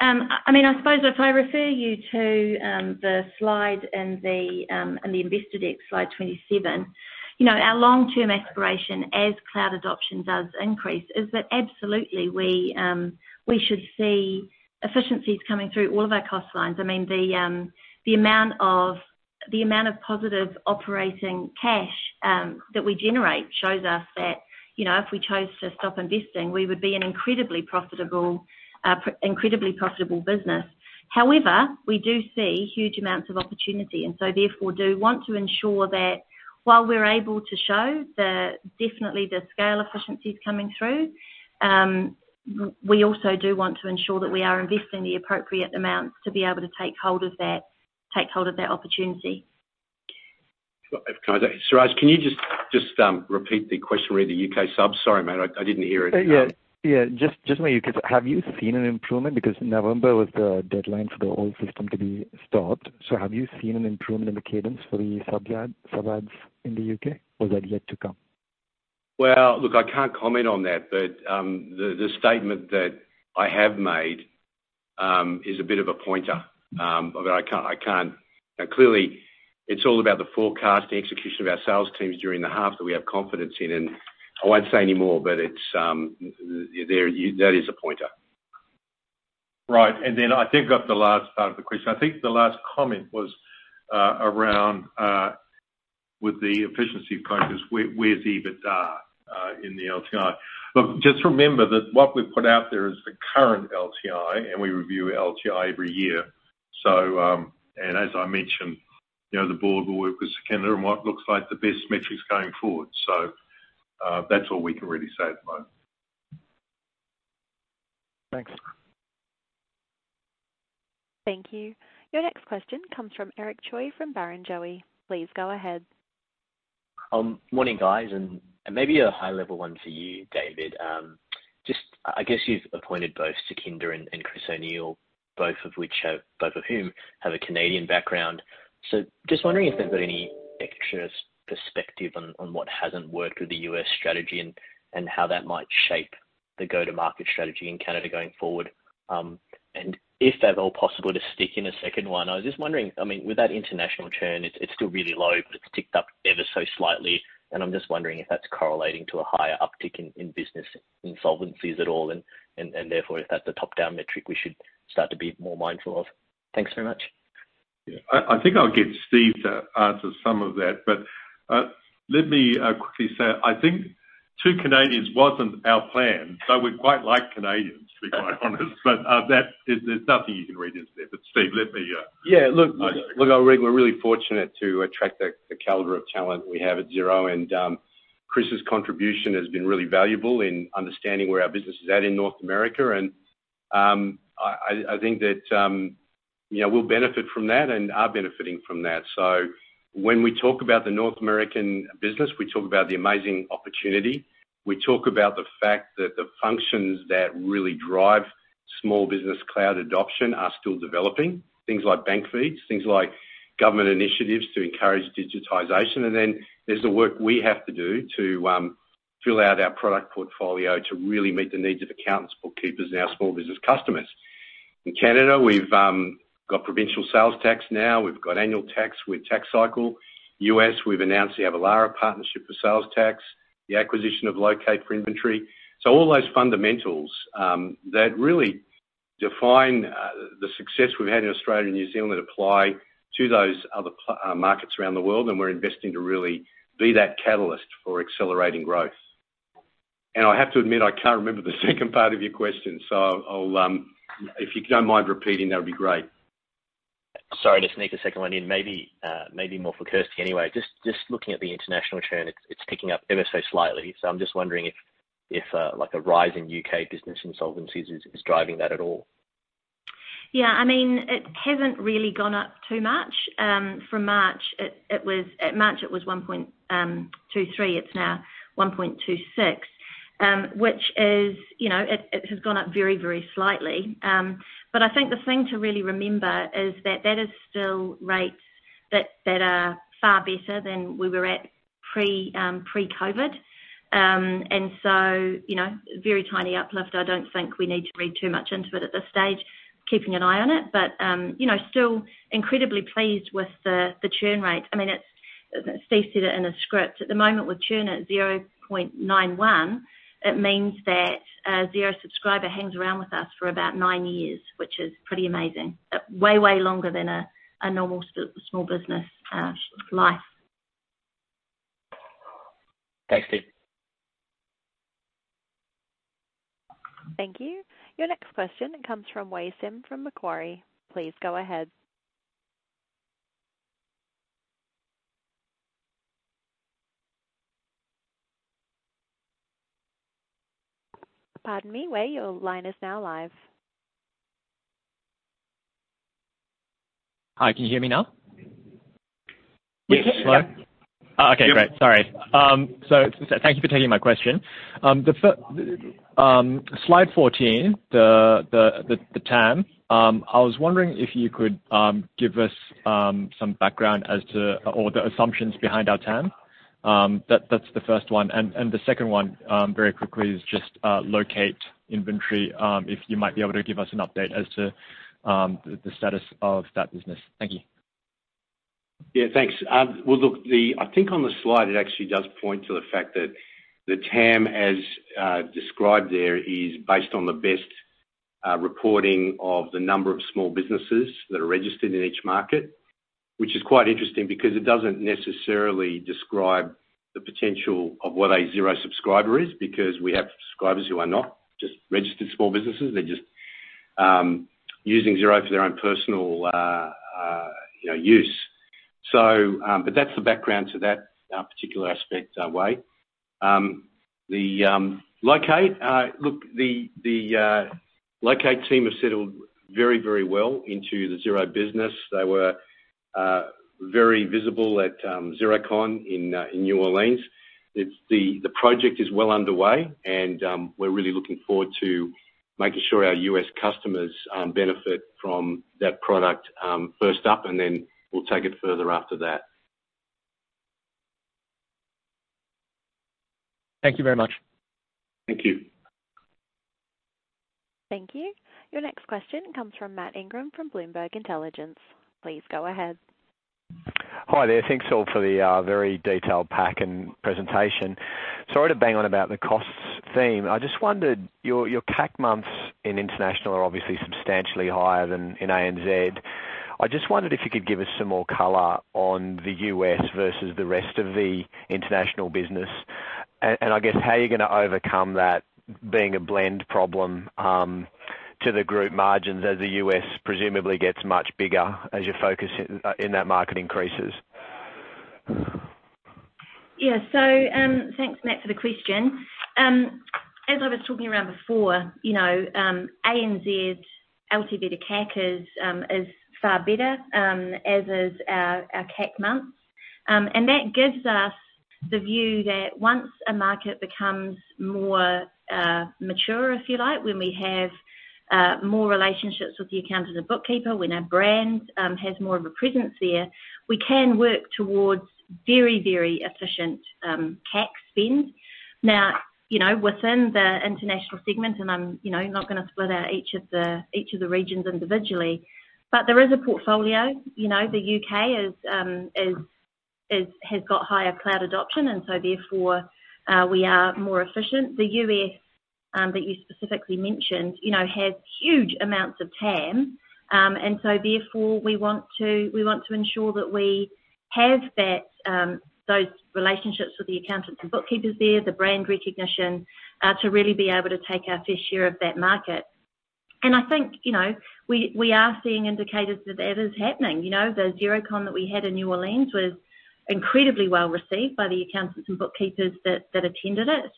I mean, I suppose if I refer you to the slide and the investor deck, slide 27. You know, our long-term aspiration as cloud adoption does increase, is that absolutely we should see efficiencies coming through all of our cost lines. I mean, the amount of positive operating cash that we generate shows us that, you know, if we chose to stop investing, we would be an incredibly profitable business. However, we do see huge amounts of opportunity, and so therefore do want to ensure that while we're able to show the, definitely the scale efficiencies coming through, we also do want to ensure that we are investing the appropriate amounts to be able to take hold of that opportunity. Well, Siraj, can you just repeat the question re: the U.K. subs? Sorry, mate, I didn't hear it. Yeah. Just on the U.K. subs, have you seen an improvement? Because November was the deadline for the old system to be stopped. Have you seen an improvement in the cadence for the sub add, sub adds in the U.K. or is that yet to come? Well, look, I can't comment on that, but the statement that I have made is a bit of a pointer. But I can't. Now, clearly it's all about the forecast and execution of our sales teams during the half that we have confidence in. I won't say any more, but that is a pointer. Right. I think I have the last part of the question. I think the last comment was around with the efficiency focus, where's EBITDA in the LTI? Look, just remember that what we've put out there is the current LTI, and we review LTI every year. As I mentioned, you know, the board will work with Sukhinder on what looks like the best metrics going forward. That's all we can really say at the moment. Thanks. Thank you. Your next question comes from Eric Choi from Barrenjoey. Please go ahead. Morning, guys. Maybe a high level one for you, David. Just, I guess you've appointed both Sukhinder and Chris O'Neill, both of whom have a Canadian background. Just wondering if they've got any extra perspective on what hasn't worked with the U.S. strategy and how that might shape the go-to-market strategy in Canada going forward. If at all possible, to stick in a second one, I was just wondering, I mean, with that international churn, it's still really low, but it's ticked up ever so slightly. I'm just wondering if that's correlating to a higher uptick in business insolvencies at all, and therefore if that's a top-down metric we should start to be more mindful of. Thanks very much. Yeah. I think I'll get Steve to answer some of that. Let me quickly say, I think two Canadians wasn't our plan, but we quite like Canadians, to be quite honest. There's nothing you can read into there. Steve, let me, Yeah. Look, I agree. We're really fortunate to attract the caliber of talent we have at Xero. Chris' contribution has been really valuable in understanding where our business is at in North America. I think that, you know, we'll benefit from that and are benefiting from that. When we talk about the North American business, we talk about the amazing opportunity. We talk about the fact that the functions that really drive small business cloud adoption are still developing. Things like bank feeds. Things like government initiatives to encourage digitization. Then there's the work we have to do to fill out our product portfolio to really meet the needs of accountants, bookkeepers, and our small business customers. In Canada, we've got provincial sales tax now. We've got annual tax with TaxCycle. U.S., we've announced the Avalara partnership for sales tax, the acquisition of LOCATE Inventory for inventory. All those fundamentals that really define the success we've had in Australia and New Zealand apply to those other markets around the world, and we're investing to really be that catalyst for accelerating growth. I have to admit, I can't remember the second part of your question, so I'll, if you don't mind repeating, that would be great. Sorry, just sneak a second one in. Maybe, maybe more for Kirsty anyway. Just looking at the international churn, it's ticking up ever so slightly. I'm just wondering if, like, a rise in U.K. business insolvencies is driving that at all. Yeah, I mean, it hasn't really gone up too much. From March, it was 1.23%. It's now 1.26%. Which is, you know, it has gone up very, very slightly. But I think the thing to really remember is that that is still rates that are far better than we were at pre-COVID. Very tiny uplift. I don't think we need to read too much into it at this stage. Keeping an eye on it, but, you know, still incredibly pleased with the churn rate. I mean, it's, as Steve said it in his script, at the moment we're churn at 0.91%. It means that a Xero subscriber hangs around with us for about nine years, which is pretty amazing. Way longer than a normal small business life. Thanks, Steve. Thank you. Your next question comes from Wei-Weng Sim from Macquarie. Please go ahead. Pardon me, Wei, your line is now live. Hi, can you hear me now? Yes. We can hear you. Oh, okay, great. Sorry. Thank you for taking my question. The first, slide 14, the TAM. I was wondering if you could give us some background as to all the assumptions behind our TAM. That's the first one. The second one, very quickly is just LOCATE Inventory, if you might be able to give us an update as to the status of that business. Thank you. Yeah, thanks. Well, look, I think on the slide, it actually does point to the fact that the TAM as described there is based on the best reporting of the number of small businesses that are registered in each market, which is quite interesting because it doesn't necessarily describe the potential of what a Xero subscriber is, because we have subscribers who are not just registered small businesses. They're just using Xero for their own personal you know use. But that's the background to that particular aspect way. The LOCATE team have settled very, very well into the Xero business. They were very visible at Xerocon in New Orleans. The project is well underway, and we're really looking forward to making sure our U.S. customers benefit from that product first up, and then we'll take it further after that. Thank you very much. Thank you. Thank you. Your next question comes from Matt Ingram from Bloomberg Intelligence. Please go ahead. Hi there. Thanks, all, for the very detailed pack and presentation. Sorry to bang on about the costs theme. I just wondered, your CAC months in international are obviously substantially higher than in ANZ. I just wondered if you could give us some more color on the U.S. versus the rest of the international business, and I guess how you're gonna overcome that being a blend problem to the group margins as the U.S. presumably gets much bigger as your focus in that market increases. Yeah. Thanks, Matt, for the question. As I was talking about before, you know, ANZ LTV to CAC is far better, as is our CAC months. That gives us the view that once a market becomes more mature, if you like, when we have more relationships with the accountant and bookkeeper, when our brand has more of a presence there, we can work towards very efficient CAC spend. Now, you know, within the international segment, and I'm, you know, not gonna split out each of the regions individually, but there is a portfolio. You know, the U.K. has got higher cloud adoption, and so therefore, we are more efficient. The U.S., that you specifically mentioned, you know, has huge amounts of TAM. Therefore, we want to ensure that we have that, those relationships with the accountants and bookkeepers there, the brand recognition, to really be able to take our fair share of that market. I think, you know, we are seeing indicators that is happening. You know, the Xerocon that we had in New Orleans was incredibly well received by the accountants and bookkeepers that attended it.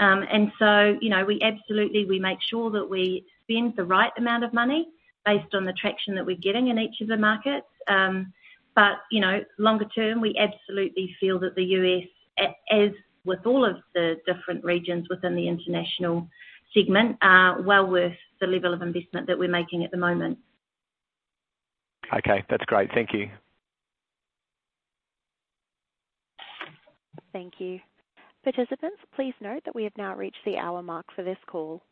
You know, we absolutely make sure that we spend the right amount of money based on the traction that we're getting in each of the markets. You know, longer term, we absolutely feel that the U.S., as with all of the different regions within the international segment, are well worth the level of investment that we're making at the moment. Okay. That's great. Thank you. Thank you. Participants, please note that we have now reached the hour mark for this call.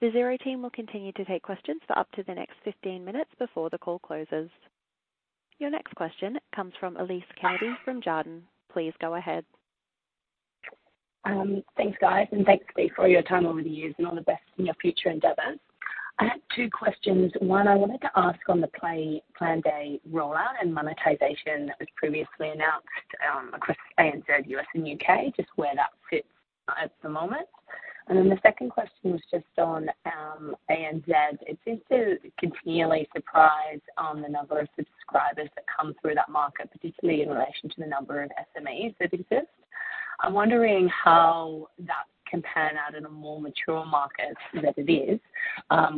The Xero team will continue to take questions for up to the next 15 minutes before the call closes. Your next question comes from Elise Kennedy from Jarden. Please go ahead. Thanks, guys. Thanks, Steve, for all your time over the years and all the best in your future endeavors. I had two questions. One, I wanted to ask on the Planday rollout and monetization that was previously announced across ANZ, U.S., and U.K., just where that sits at the moment. The second question was just on ANZ. It seems to continually surprise on the number of subscribers that come through that market, particularly in relation to the number of SMEs that exist. I'm wondering how that can pan out in a more mature market that it is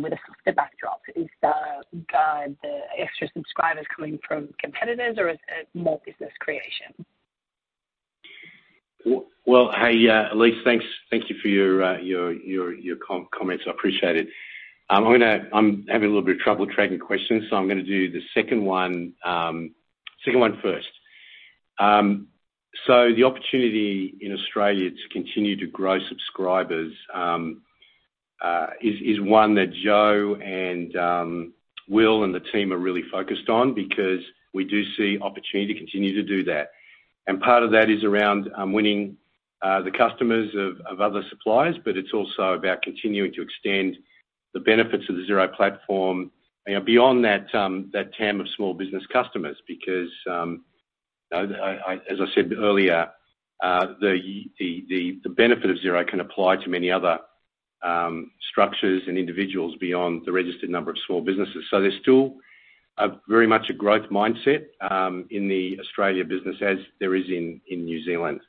with a softer backdrop. Is the extra subscribers coming from competitors or is more business creation? Hey, Elise, thanks. Thank you for your comments. I appreciate it. I'm having a little bit of trouble tracking questions, so I'm gonna do the second one first. The opportunity in Australia to continue to grow subscribers is one that Joe and Will and the team are really focused on because we do see opportunity to continue to do that. Part of that is around winning the customers of other suppliers, but it's also about continuing to extend the benefits of the Xero platform, you know, beyond that TAM of small business customers because, as I said earlier, the benefit of Xero can apply to many other structures and individuals beyond the registered number of small businesses. There's still a very much a growth mindset in the Australia business as there is in New Zealand.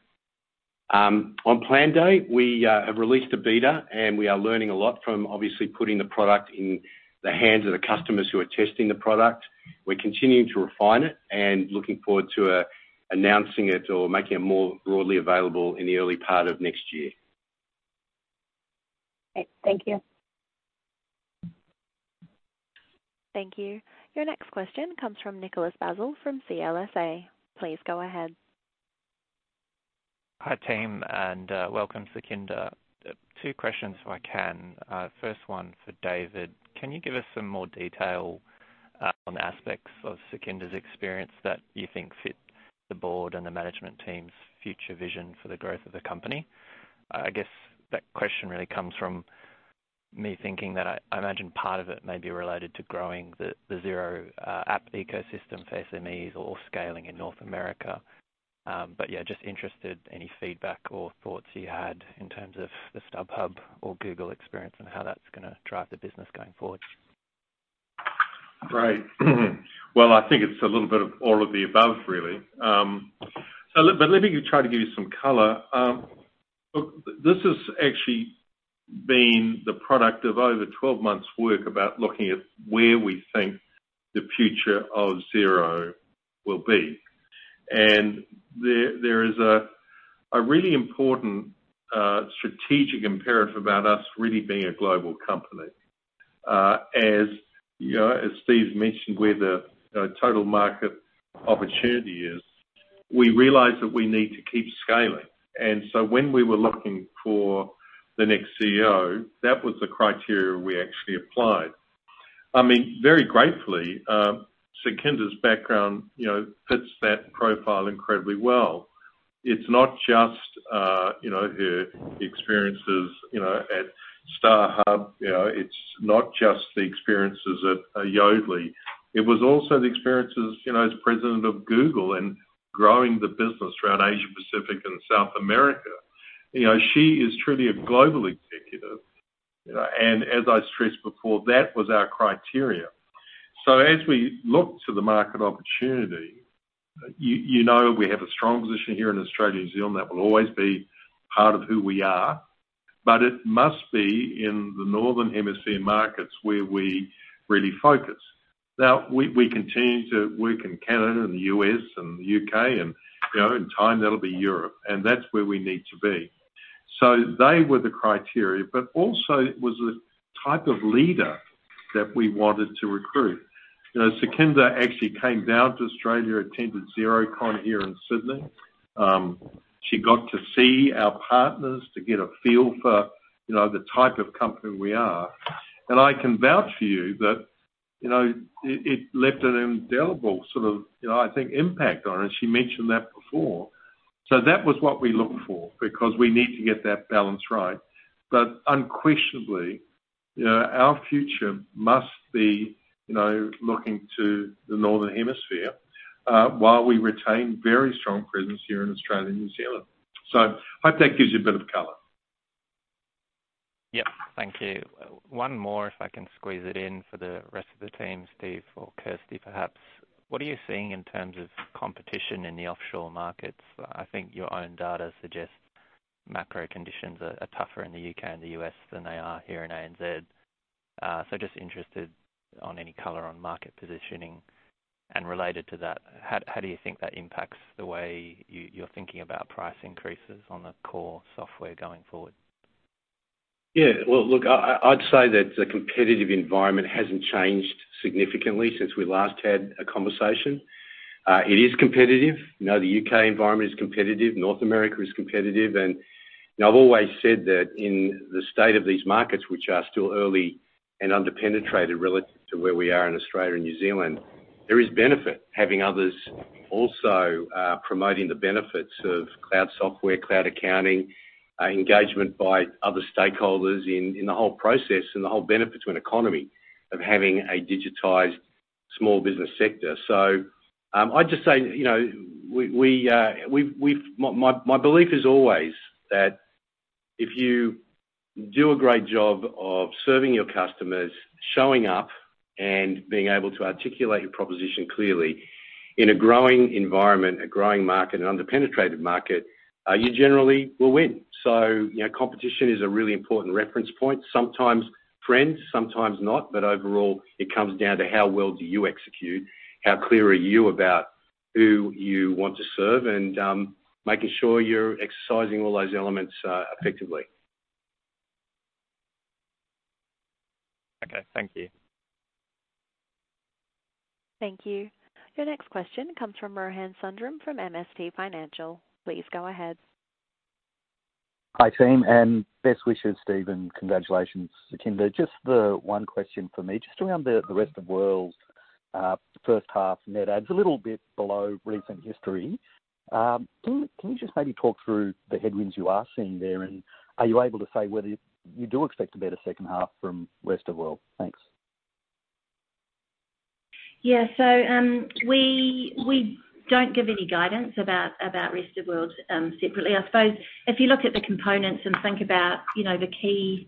On Planday, we have released a beta and we are learning a lot from obviously putting the product in the hands of the customers who are testing the product. We're continuing to refine it and looking forward to announcing it or making it more broadly available in the early part of next year. Great. Thank you. Thank you. Your next question comes from Nicholas Basile from CLSA. Please go ahead. Hi, team, and welcome, Sukhinder Singh Cassidy. Two questions if I can. First one for David Thodey: Can you give us some more detail on aspects of Sukhinder Singh Cassidy's experience that you think fit the board and the management team's future vision for the growth of the company? I guess that question really comes from me thinking that I imagine part of it may be related to growing the Xero app ecosystem for SMEs or scaling in North America. Yeah, just interested, any feedback or thoughts you had in terms of the StubHub or Google experience and how that's gonna drive the business going forward. Great. Well, I think it's a little bit of all of the above, really. But let me try to give you some color. Look, this has actually been the product of over 12 months work about looking at where we think the future of Xero will be. There is a really important strategic imperative about us really being a global company. As you know, as Steve mentioned, where the total market opportunity is, we realize that we need to keep scaling. When we were looking for the next CEO, that was the criteria we actually applied. I mean, very gratefully, Sukhinder's background, you know, fits that profile incredibly well. It's not just her experiences at StubHub. It's not just the experiences at Yodlee. It was also the experiences, you know, as President of Google and growing the business around Asia-Pacific and South America. You know, she is truly a global executive, you know, and as I stressed before, that was our criteria. As we look to the market opportunity, you know, we have a strong position here in Australia and New Zealand, that will always be part of who we are, but it must be in the Northern Hemisphere markets where we really focus. Now, we continue to work in Canada and the U.S. and the U.K. and, you know, in time that'll be Europe, and that's where we need to be. They were the criteria, but also it was the type of leader that we wanted to recruit. You know, Sukhinder actually came down to Australia, attended Xerocon here in Sydney. She got to see our partners to get a feel for, you know, the type of company we are. I can vouch for you that, you know, it left an indelible sort of, you know, I think, impact on her, as she mentioned that before. That was what we looked for because we need to get that balance right. Unquestionably, you know, our future must be, you know, looking to the Northern Hemisphere, while we retain very strong presence here in Australia and New Zealand. Hope that gives you a bit of color. Yeah. Thank you. One more, if I can squeeze it in for the rest of the team, Steve or Kirsty, perhaps. What are you seeing in terms of competition in the offshore markets? I think your own data suggests macro conditions are tougher in the U.K. and the U.S. than they are here in ANZ. So just interested on any color on market positioning. Related to that, how do you think that impacts the way you're thinking about price increases on the core software going forward? Yeah. Well, look, I'd say that the competitive environment hasn't changed significantly since we last had a conversation. It is competitive. You know, the U.K. environment is competitive, North America is competitive. You know, I've always said that in the state of these markets, which are still early and under-penetrated relative to where we are in Australia and New Zealand, there is benefit having others also promoting the benefits of cloud software, cloud accounting, engagement by other stakeholders in the whole process and the whole benefits to an economy of having a digitized small business sector. I'd just say, you know, my belief is always that if you do a great job of serving your customers, showing up and being able to articulate your proposition clearly in a growing environment, a growing market, an under-penetrated market, you generally will win. You know, competition is a really important reference point. Sometimes friends, sometimes not, but overall, it comes down to how well do you execute, how clear are you about who you want to serve, and making sure you're exercising all those elements effectively. Okay. Thank you. Thank you. Your next question comes from Rohan Sundram, from MST Financial. Please go ahead. Hi, team, and best wishes, Steve, and congratulations, Sukhinder. Just the one question for me. Just around the rest of world first half net adds a little bit below recent history. Can you just maybe talk through the headwinds you are seeing there, and are you able to say whether you do expect a better second half from rest of world? Thanks. Yeah. We don't give any guidance about rest of world separately. I suppose if you look at the components and think about, you know, the Key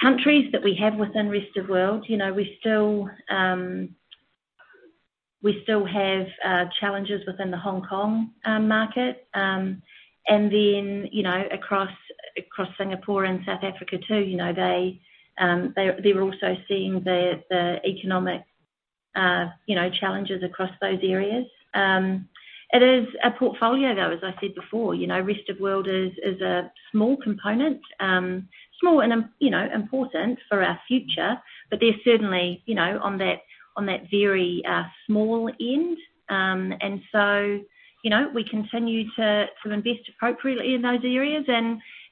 Countries that we have within rest of world, you know, we still have challenges within the Hong Kong market. Then, you know, across Singapore and South Africa too, you know, they're also seeing the economic challenges across those areas. It is a portfolio though, as I said before, you know, rest of world is a small component, small and important for our future. They're certainly, you know, on that very small end. You know, we continue to invest appropriately in those areas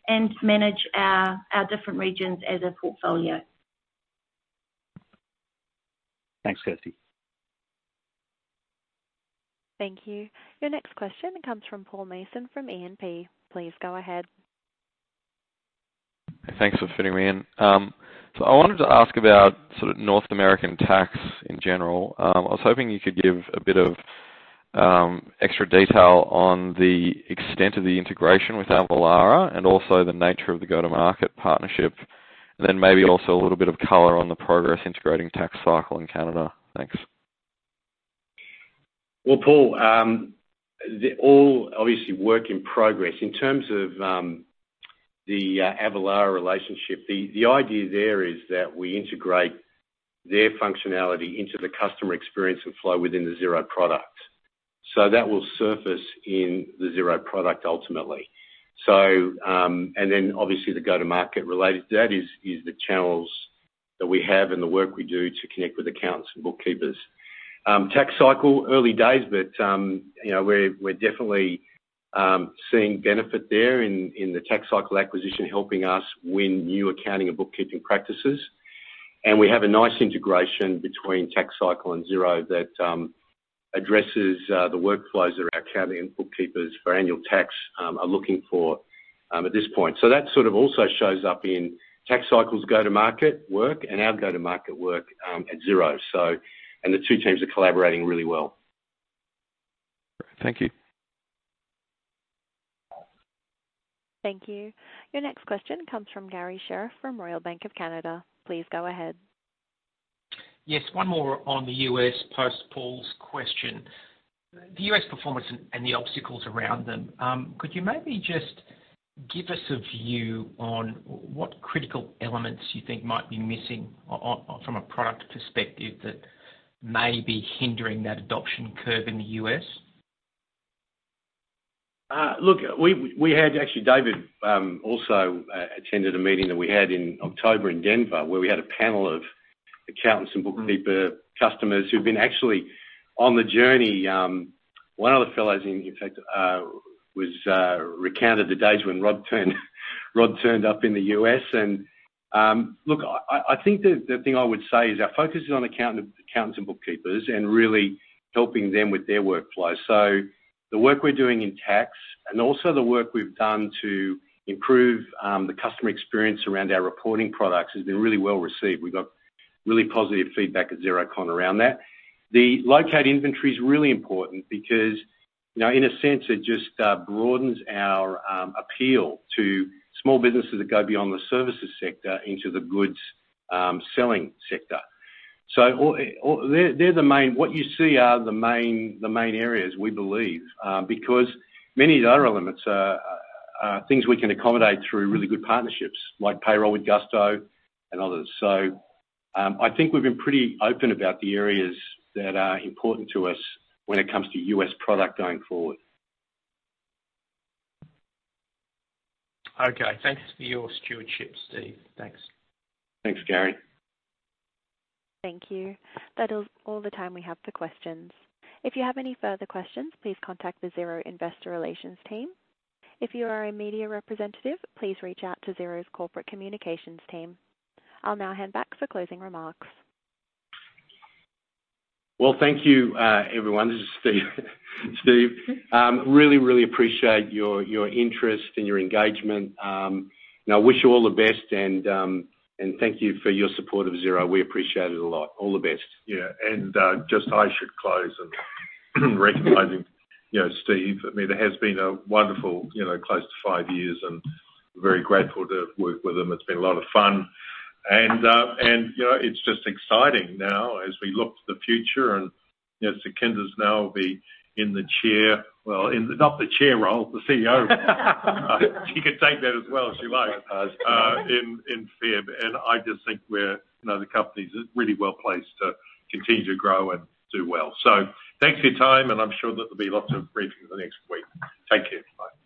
and manage our different regions as a portfolio. Thanks, Kirsty. Thank you. Your next question comes from Paul Mason from E&P. Please go ahead. Thanks for fitting me in. I wanted to ask about sort of North American tax in general. I was hoping you could give a bit of extra detail on the extent of the integration with Avalara and also the nature of the go-to-market partnership. Then maybe also a little bit of color on the progress integrating TaxCycle in Canada. Thanks. Well, Paul, all obviously work in progress. In terms of the Avalara relationship, the idea there is that we integrate their functionality into the customer experience and flow within the Xero product. That will surface in the Xero product ultimately. Obviously the go-to-market related to that is the channels that we have and the work we do to connect with accountants and bookkeepers. TaxCycle, early days, but you know, we're definitely seeing benefit there in the TaxCycle acquisition, helping us win new accounting and bookkeeping practices. We have a nice integration between TaxCycle and Xero that addresses the workflows that our accountants and bookkeepers for annual tax are looking for at this point. That sort of also shows up in TaxCycle's go-to-market work and our go-to-market work at Xero. The two teams are collaborating really well. Thank you. Thank you. Your next question comes from Garry Sherriff from Royal Bank of Canada. Please go ahead. Yes. One more on the U.S. post Paul's question. The U.S. performance and the obstacles around them. Could you maybe just give us a view on what critical elements you think might be missing from a product perspective that may be hindering that adoption curve in the U.S.? Look, we had actually, David, also attended a meeting that we had in October in Denver, where we had a panel of accountants and bookkeeper customers who've been actually on the journey. One of the fellows in fact recounted the days when Rod turned up in the U.S. Look, I think the thing I would say is our focus is on accountants and bookkeepers and really helping them with their workflow. The work we're doing in tax and also the work we've done to improve the customer experience around our reporting products has been really well received. We've got really positive feedback at Xerocon around that. The LOCATE Inventory is really important because, you know, in a sense, it just broadens our appeal to small businesses that go beyond the services sector into the goods selling sector. They're what you see are the main areas we believe because many of the other elements are things we can accommodate through really good partnerships like payroll with Gusto and others. I think we've been pretty open about the areas that are important to us when it comes to U.S. product going forward. Okay. Thanks for your stewardship, Steve. Thanks. Thanks, Garry. Thank you. That is all the time we have for questions. If you have any further questions, please contact the Xero Investor Relations team. If you are a media representative, please reach out to Xero's Corporate Communications team. I'll now hand back for closing remarks. Well, thank you, everyone. This is Steve. Really appreciate your interest and your engagement. I wish you all the best and thank you for your support of Xero. We appreciate it a lot. All the best. Yeah. Just, I should close and recognizing, you know, Steve. I mean, it has been a wonderful, you know, close to five years, and very grateful to have worked with him. It's been a lot of fun. You know, it's just exciting now as we look to the future and, you know, Sukhinder now will be in the Chair. Well, in the not the Chair role, the CEO. She can take that as well as she likes in February. I just think we're, you know, the company's really well-placed to continue to grow and do well. Thanks for your time, and I'm sure that there'll be lots of briefings in the next week. Take care. Bye.